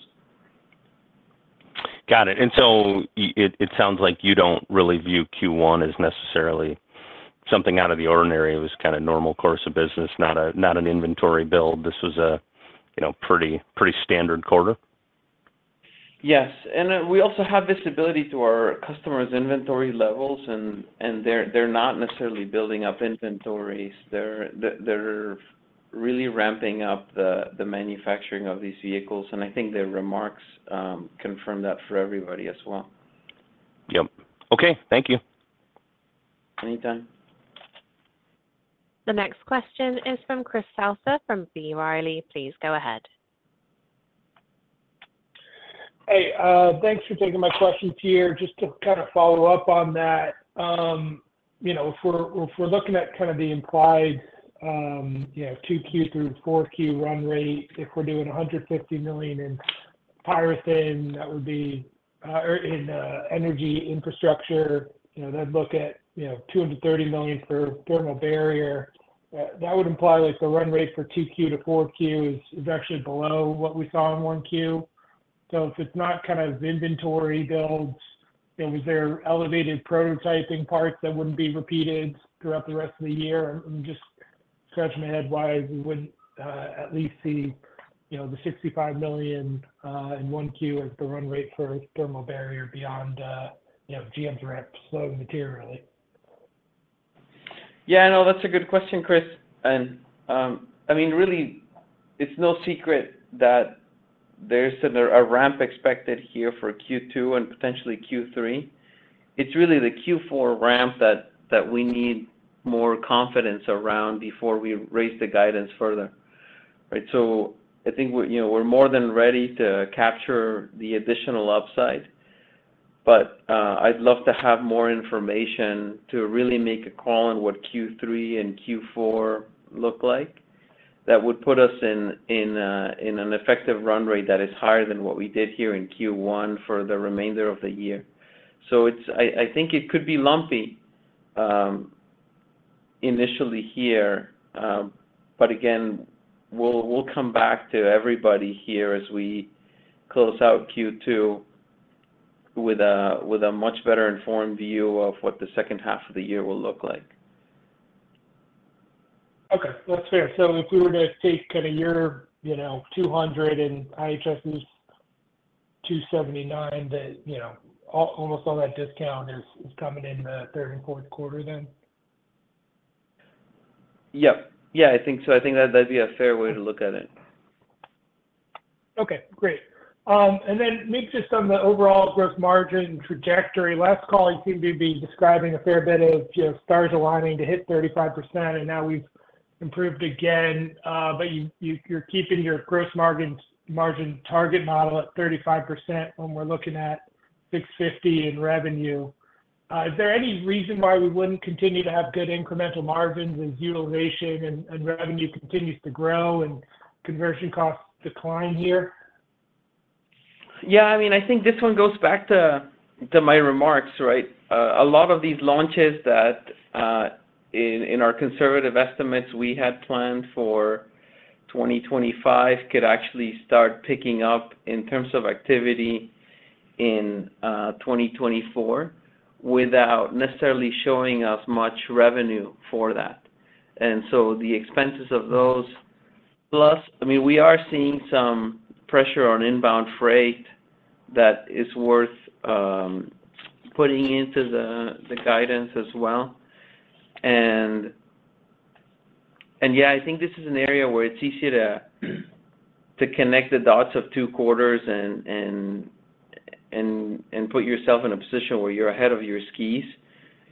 Got it. And so it, it sounds like you don't really view Q1 as necessarily something out of the ordinary. It was kind of normal course of business, not a, not an inventory build. This was a, you know, pretty, pretty standard quarter? Yes, and we also have visibility to our customers' inventory levels, and they're not necessarily building up inventories. They're really ramping up the manufacturing of these vehicles, and I think their remarks confirm that for everybody as well. Yep. Okay, thank you. Anytime. The next question is from Chris Souther from B. Riley. Please go ahead. Hey, thanks for taking my question, here. Just to kind of follow up on that, you know, if we're, if we're looking at kind of the implied, you know, 2Q through 4Q run rate, if we're doing $150 million in PyroThin, that would be, or in, energy infrastructure, you know, that'd look at, you know, $230 million for thermal barrier. That would imply, like, the run rate for 2Q to 4Q is, is actually below what we saw in 1Q. So if it's not kind of inventory builds, then was there elevated prototyping parts that wouldn't be repeated throughout the rest of the year? I'm just scratching my head why we wouldn't at least see, you know, the $65 million in one Q as the run rate for thermal barrier beyond, you know, GM's ramp slowing materially. Yeah, no, that's a good question, Chris. I mean, really, it's no secret that there's a ramp expected here for Q2 and potentially Q3. It's really the Q4 ramp that we need more confidence around before we raise the guidance further. Right, so I think we're, you know, we're more than ready to capture the additional upside, but, I'd love to have more information to really make a call on what Q3 and Q4 look like. That would put us in an effective run rate that is higher than what we did here in Q1 for the remainder of the year. So I think it could be lumpy initially here, but again, we'll come back to everybody here as we close out Q2 with a much better informed view of what the second half of the year will look like. Okay, that's fair. So if we were to take kind of your, you know, 200 in IHS's 279, that, you know, almost all that discount is, is coming in the third and fourth quarter, then? Yep. Yeah, I think so. I think that'd be a fair way to look at it. Okay, great. And then maybe just on the overall gross margin trajectory. Last call, you seemed to be describing a fair bit of, you know, stars aligning to hit 35%, and now we've improved again. But you're keeping your gross margins, margin target model at 35% when we're looking at $650 in revenue. Is there any reason why we wouldn't continue to have good incremental margins as utilization and revenue continues to grow and conversion costs decline here? Yeah, I mean, I think this one goes back to my remarks, right? A lot of these launches that in our conservative estimates, we had planned for 2025 could actually start picking up in terms of activity in 2024, without necessarily showing us much revenue for that. And so the expenses of those. Plus, I mean, we are seeing some pressure on inbound freight that is worth putting into the guidance as well. And yeah, I think this is an area where it's easy to connect the dots of two quarters and put yourself in a position where you're ahead of your skis.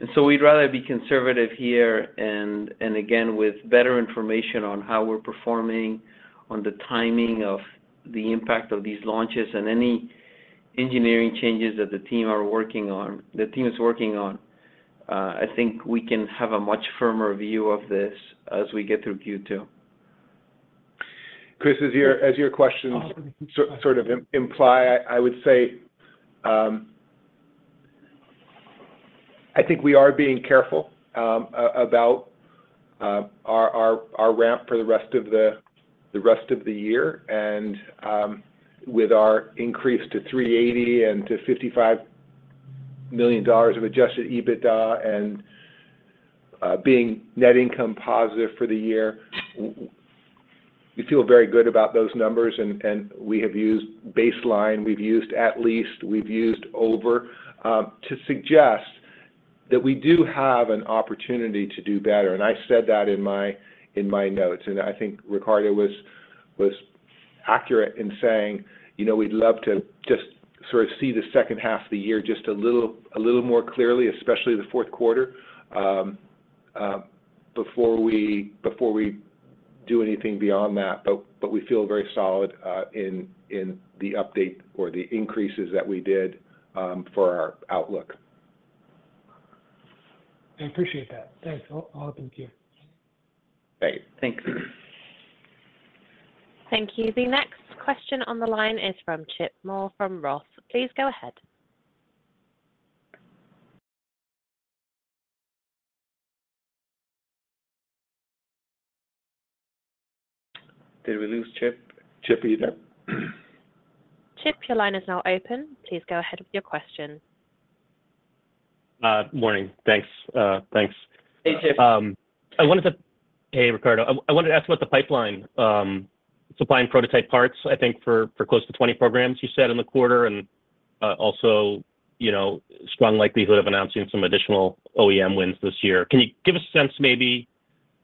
And so we'd rather be conservative here, and, and again, with better information on how we're performing on the timing of the impact of these launches and any engineering changes that the team are working on, the team is working on. I think we can have a much firmer view of this as we get through Q2. Chris, as your questions sort of imply, I would say, I think we are being careful about our ramp for the rest of the year. And, with our increase to $380 million and to $55 million of Adjusted EBITDA and, being net income positive for the year, we feel very good about those numbers, and we have used baseline, we've used at least, we've used over to suggest that we do have an opportunity to do better. And I said that in my notes, and I think Ricardo was accurate in saying, you know, we'd love to just sort of see the second half of the year just a little more clearly, especially the fourth quarter, before we do anything beyond that. But we feel very solid in the update or the increases that we did for our outlook. I appreciate that. Thanks. I'll open to you. Great. Thanks. Thank you. The next question on the line is from Chip Moore from Roth MKM. Please go ahead. Did we lose Chip? Chip, are you there? Chip, your line is now open. Please go ahead with your question. Morning. Thanks. Thanks. Hey, Chip. I wanted to—Hey, Ricardo. I wanted to ask about the pipeline, supplying prototype parts, I think for close to 20 programs you said in the quarter, and also, you know, strong likelihood of announcing some additional OEM wins this year. Can you give us a sense, maybe,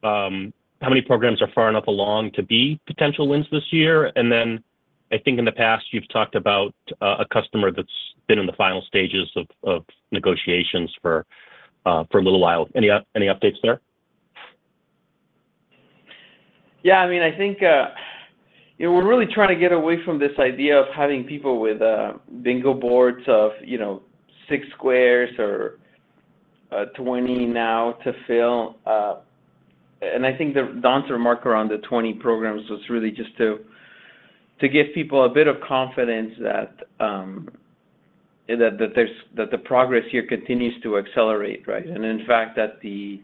how many programs are far enough along to be potential wins this year? And then I think in the past, you've talked about a customer that's been in the final stages of negotiations for a little while. Any updates there? Yeah, I mean, I think, you know, we're really trying to get away from this idea of having people with, bingo boards of, you know, 6 squares or, 20 now to fill. And I think the answer marker on the 20 programs was really just to, to give people a bit of confidence that, that, that there's, that the progress here continues to accelerate, right? And in fact, that the,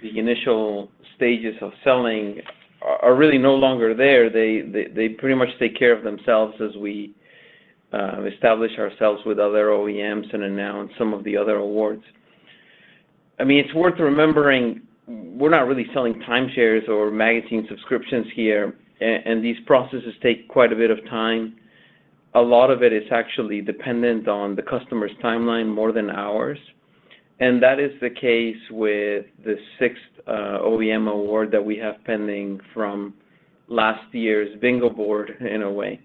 the initial stages of selling are, are really no longer there. They, they, they pretty much take care of themselves as we, establish ourselves with other OEMs and announce some of the other awards. I mean, it's worth remembering, we're not really selling time shares or magazine subscriptions here, and these processes take quite a bit of time. A lot of it is actually dependent on the customer's timeline more than ours, and that is the case with the sixth OEM award that we have pending from last year's bingo board, in a way.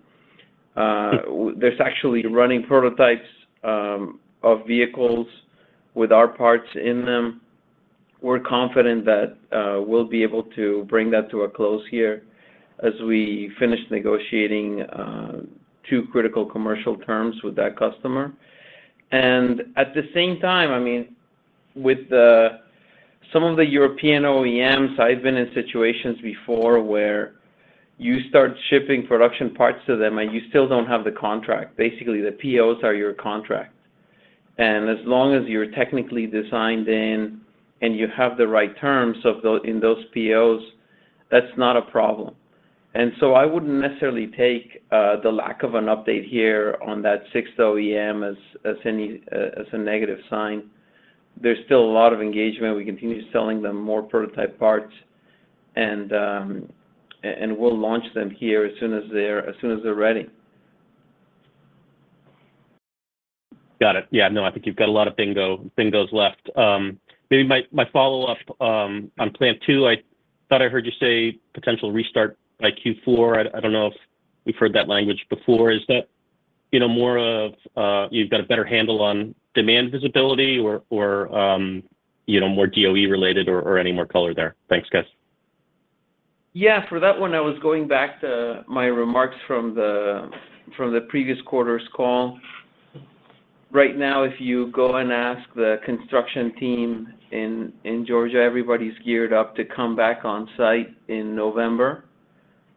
There's actually running prototypes of vehicles with our parts in them. We're confident that we'll be able to bring that to a close here as we finish negotiating two critical commercial terms with that customer. And at the same time, I mean, with some of the European OEMs, I've been in situations before where you start shipping production parts to them, and you still don't have the contract. Basically, the POs are your contract. And as long as you're technically designed in and you have the right terms in those POs, that's not a problem. And so I wouldn't necessarily take the lack of an update here on that sixth OEM as any as a negative sign. There's still a lot of engagement. We continue selling them more prototype parts, and we'll launch them here as soon as they're ready. Got it. Yeah, no, I think you've got a lot of bingo, bingos left. Maybe my follow-up on Plant 2, I thought I heard you say potential restart by Q4. I don't know if we've heard that language before. Is that, you know, more of, you've got a better handle on demand visibility or, you know, more DOE-related or any more color there? Thanks, guys. Yeah, for that one, I was going back to my remarks from the previous quarter's call. Right now, if you go and ask the construction team in Georgia, everybody's geared up to come back on site in November.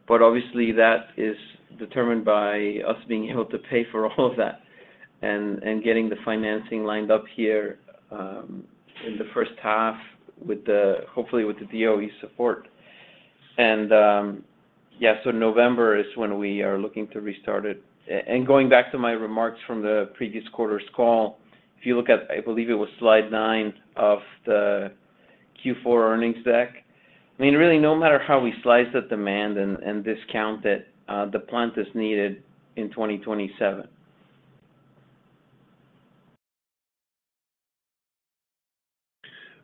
But obviously, that is determined by us being able to pay for all of that and getting the financing lined up here in the first half, hopefully with the DOE support. And yeah, so November is when we are looking to restart it. And going back to my remarks from the previous quarter's call, if you look at, I believe it was slide nine of the Q4 earnings deck, I mean, really, no matter how we slice the demand and discount it, the plant is needed in 2027.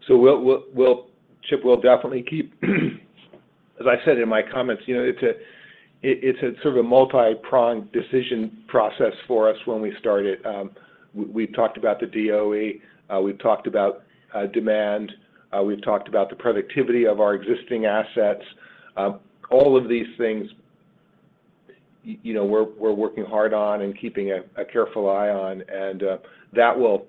So we'll, Chip, we'll definitely keep. As I said in my comments, you know, it's a sort of a multi-pronged decision process for us when we started. We talked about the DOE, we've talked about demand, we've talked about the productivity of our existing assets. All of these things, you know, we're working hard on and keeping a careful eye on, and that will,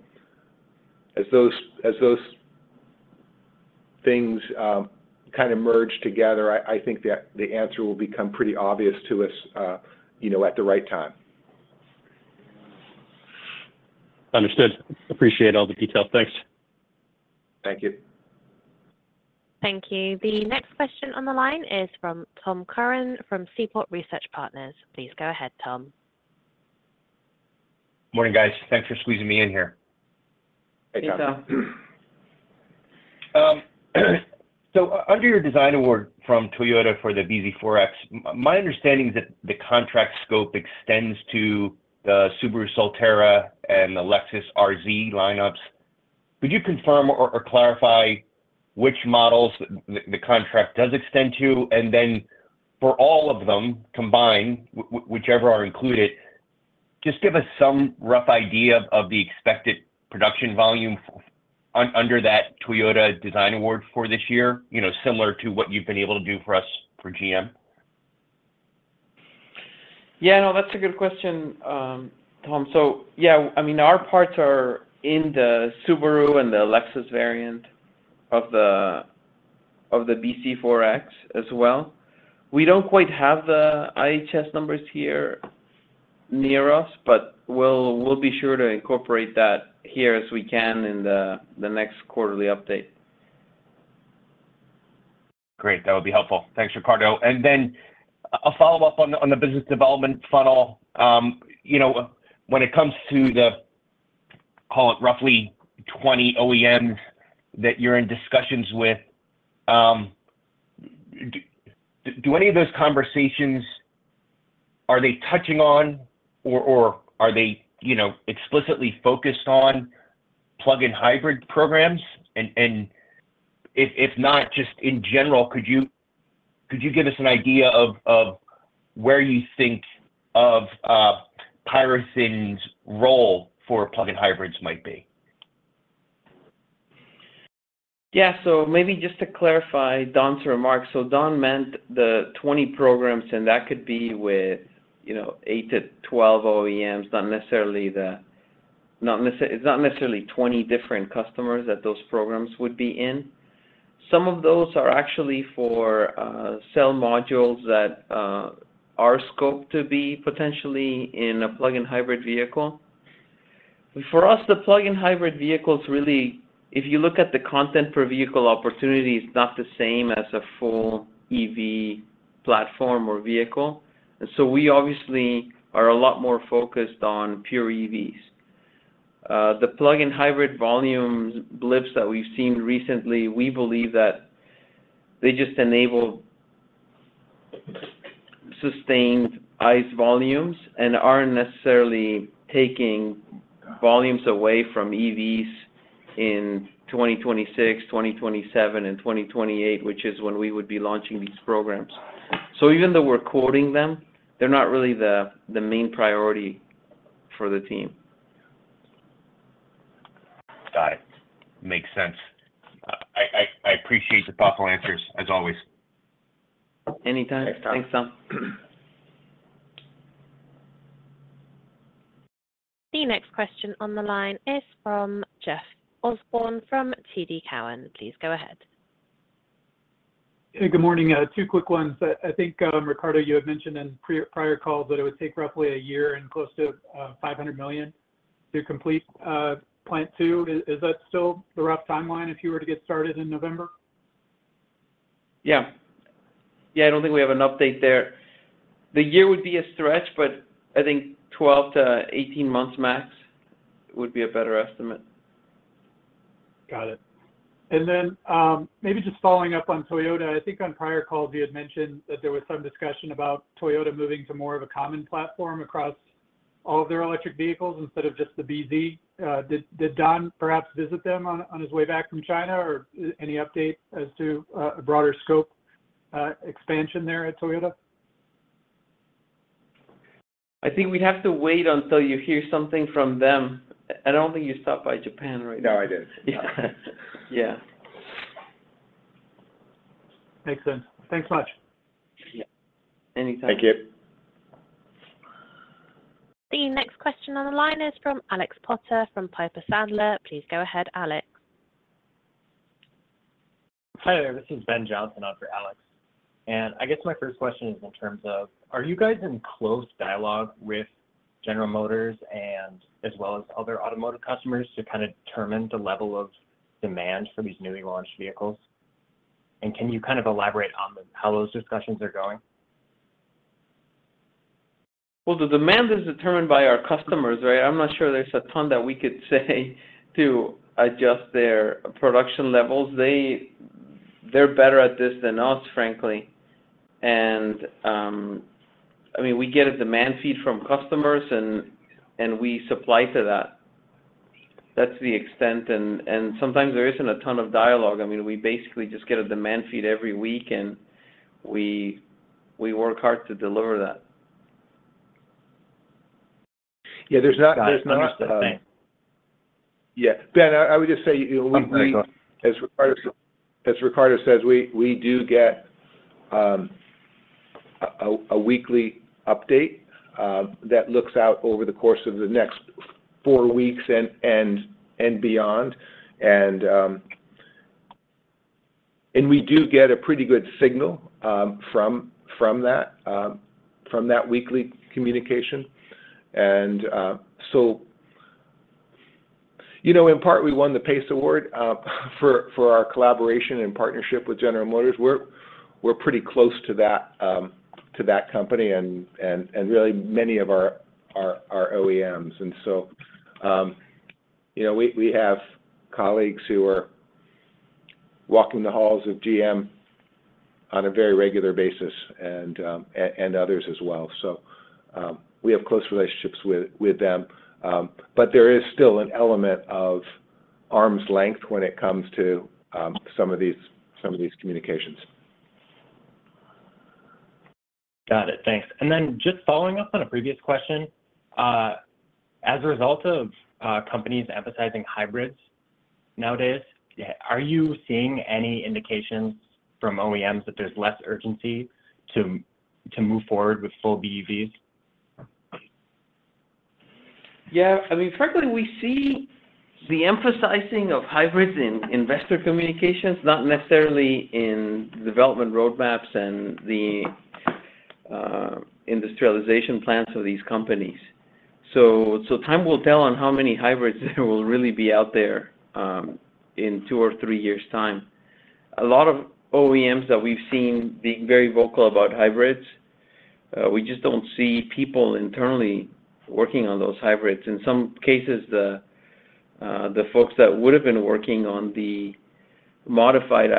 as those things kind of merge together, I think the answer will become pretty obvious to us, you know, at the right time. Understood. Appreciate all the details. Thanks. Thank you. Thank you. The next question on the line is from Tom Curran from Seaport Research Partners. Please go ahead, Tom. Morning, guys. Thanks for squeezing me in here. Hey, Tom. Hey, Tom. So, under your design award from Toyota for the bZ4X, my understanding is that the contract scope extends to the Subaru Solterra and the Lexus RZ lineups. Could you confirm or, or clarify which models the, the contract does extend to? And then for all of them combined, whichever are included, just give us some rough idea of the expected production volume under that Toyota design award for this year, you know, similar to what you've been able to do for us for GM. Yeah, no, that's a good question, Tom. So yeah, I mean, our parts are in the Subaru and the Lexus variant of the bZ4X as well. We don't quite have the IHS numbers here near us, but we'll be sure to incorporate that here as we can in the next quarterly update. Great, that would be helpful. Thanks, Ricardo. And then a follow-up on the business development funnel. You know, when it comes to the, call it roughly 20 OEMs that you're in discussions with, do any of those conversations, are they touching on or are they, you know, explicitly focused on plug-in hybrid programs? And if not, just in general, could you give us an idea of where you think of PyroThin's role for plug-in hybrids might be? Yeah, so maybe just to clarify Don's remarks. So Don meant the 20 programs, and that could be with, you know, 8-12 OEMs, not necessarily the... it's not necessarily 20 different customers that those programs would be in. Some of those are actually for cell modules that are scoped to be potentially in a plug-in hybrid vehicle. For us, the plug-in hybrid vehicles, really, if you look at the content per vehicle opportunity, it's not the same as a full EV platform or vehicle. And so we obviously are a lot more focused on pure EVs. The plug-in hybrid volume blips that we've seen recently, we believe that they just enable sustained ICE volumes and aren't necessarily taking volumes away from EVs in 2026, 2027, and 2028, which is when we would be launching these programs. So even though we're quoting them, they're not really the main priority for the team. Got it. Makes sense. I appreciate the thoughtful answers, as always. Anytime. Thanks, Tom. Thanks, Tom. The next question on the line is from Jeff Osborne from TD Cowen. Please go ahead. Hey, good morning. Two quick ones. I think Ricardo, you had mentioned in prior calls that it would take roughly a year and close to $500 million to complete Plant 2. Is that still the rough timeline if you were to get started in November? Yeah. Yeah, I don't think we have an update there. The year would be a stretch, but I think 12-18 months max would be a better estimate. Got it. And then, maybe just following up on Toyota, I think on prior calls, you had mentioned that there was some discussion about Toyota moving to more of a common platform across all of their electric vehicles instead of just the bZ. Did Don perhaps visit them on his way back from China, or any update as to a broader scope expansion there at Toyota? I think we have to wait until you hear something from them. I don't think you stopped by Japan, right? No, I didn't. Yeah. Makes sense. Thanks much. Yeah. Anytime. Thank you. The next question on the line is from Alex Potter from Piper Sandler. Please go ahead, Alex. Hi there. This is Ben Johnson on for Alex, and I guess my first question is in terms of, are you guys in close dialogue with General Motors and as well as other automotive customers to kind of determine the level of demand for these newly launched vehicles? And can you kind of elaborate on the, how those discussions are going? Well, the demand is determined by our customers, right? I'm not sure there's a ton that we could say to adjust their production levels. They're better at this than us, frankly. And, I mean, we get a demand feed from customers, and we supply to that. That's the extent, and sometimes there isn't a ton of dialogue. I mean, we basically just get a demand feed every week, and we work hard to deliver that. Yeah, there's not. There's not, I think. Yeah. Ben, I would just say, we—as Ricardo says, we do get a weekly update that looks out over the course of the next four weeks and beyond. And we do get a pretty good signal from that weekly communication. And so, you know, in part, we won the PACE Award for our collaboration and partnership with General Motors. We're pretty close to that company and really many of our OEMs. And so, you know, we have colleagues who are walking the halls of GM on a very regular basis and others as well. So, we have close relationships with them. But there is still an element of arm's length when it comes to some of these communications. Got it. Thanks. And then just following up on a previous question, as a result of companies emphasizing hybrids nowadays, are you seeing any indications from OEMs that there's less urgency to move forward with full BEVs? Yeah, I mean, frankly, we see the emphasizing of hybrids in investor communications, not necessarily in development roadmaps and the industrialization plans of these companies. So time will tell on how many hybrids will really be out there in two or three years' time. A lot of OEMs that we've seen being very vocal about hybrids, we just don't see people internally working on those hybrids. In some cases, the folks that would have been working on the modified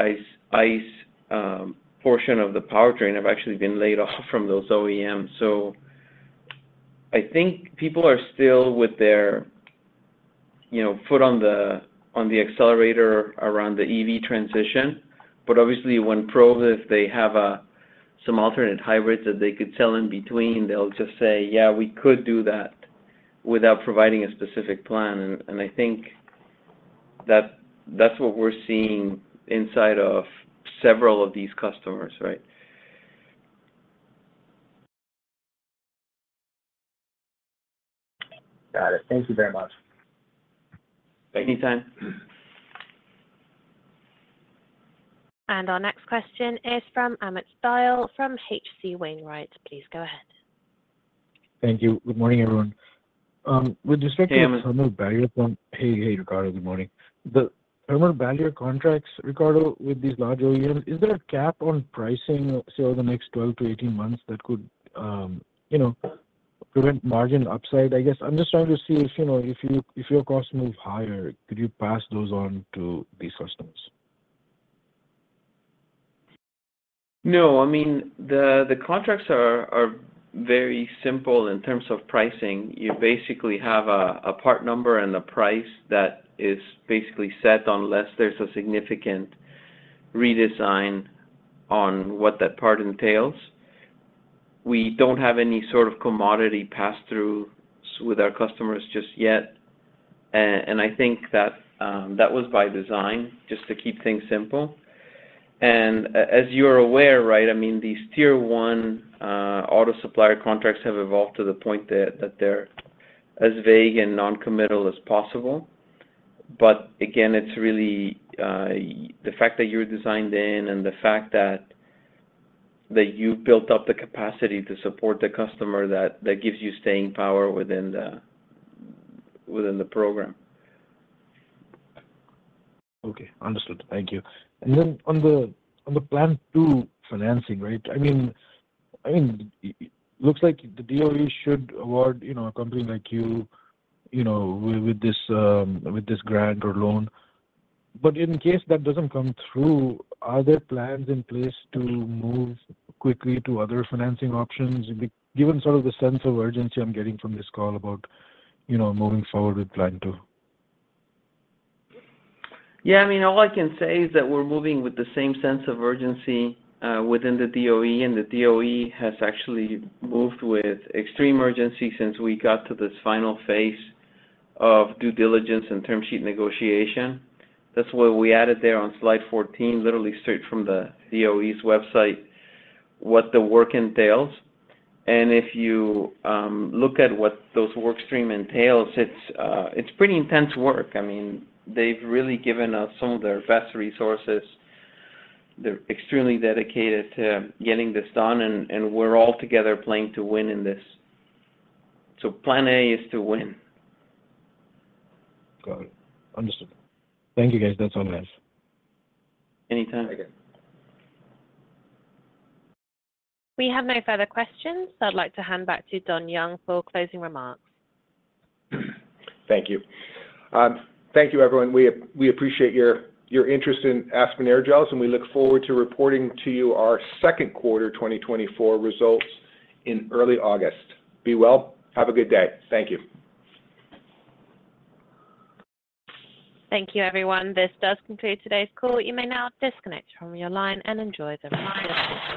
ICE portion of the powertrain have actually been laid off from those OEMs. So I think people are still with their, you know, foot on the accelerator around the EV transition. But obviously, when probed, if they have some alternate hybrids that they could sell in between, they'll just say, "Yeah, we could do that," without providing a specific plan. And I think that's what we're seeing inside of several of these customers, right? Got it. Thank you very much. Anytime. Our next question is from Amit Dayal from H.C. Wainwright. Please go ahead. Thank you. Good morning, everyone. With respect to. Hey, Amit. Barrier point... Hey, hey, Ricardo. Good morning. The thermal barrier contracts, Ricardo, with these large OEMs, is there a cap on pricing, say, over the next 12-18 months that could, you know, prevent margin upside? I guess I'm just trying to see if, you know, if you, if your costs move higher, could you pass those on to these customers? No. I mean, the contracts are very simple in terms of pricing. You basically have a part number and a price that is basically set unless there's a significant redesign on what that part entails. We don't have any sort of commodity pass-throughs with our customers just yet, and I think that that was by design, just to keep things simple. And as you're aware, right, I mean, these tier one auto supplier contracts have evolved to the point that they're as vague and non-committal as possible. But again, it's really the fact that you're designed in and the fact that you've built up the capacity to support the customer that gives you staying power within the program. Okay, understood. Thank you. And then on the Plant 2 financing, right? I mean, it looks like the DOE should award, you know, a company like you, you know, with this grant or loan. But in case that doesn't come through, are there plans in place to move quickly to other financing options, given sort of the sense of urgency I'm getting from this call about, you know, moving forward with Plant 2? Yeah, I mean, all I can say is that we're moving with the same sense of urgency within the DOE, and the DOE has actually moved with extreme urgency since we got to this final phase of due diligence and term sheet negotiation. That's why we added there on slide 14, literally straight from the DOE's website, what the work entails. And if you look at what those work stream entails, it's pretty intense work. I mean, they've really given us some of their best resources. They're extremely dedicated to getting this done, and we're all together playing to win in this. So Plan A is to win. Got it. Understood. Thank you, guys. That's all I have. Anytime. Thank you. We have no further questions, so I'd like to hand back to Don Young for closing remarks. Thank you. Thank you, everyone. We appreciate your interest in Aspen Aerogels, and we look forward to reporting to you our second quarter 2024 results in early August. Be well. Have a good day. Thank you. Thank you, everyone. This does conclude today's call. You may now disconnect from your line and enjoy the rest of your day.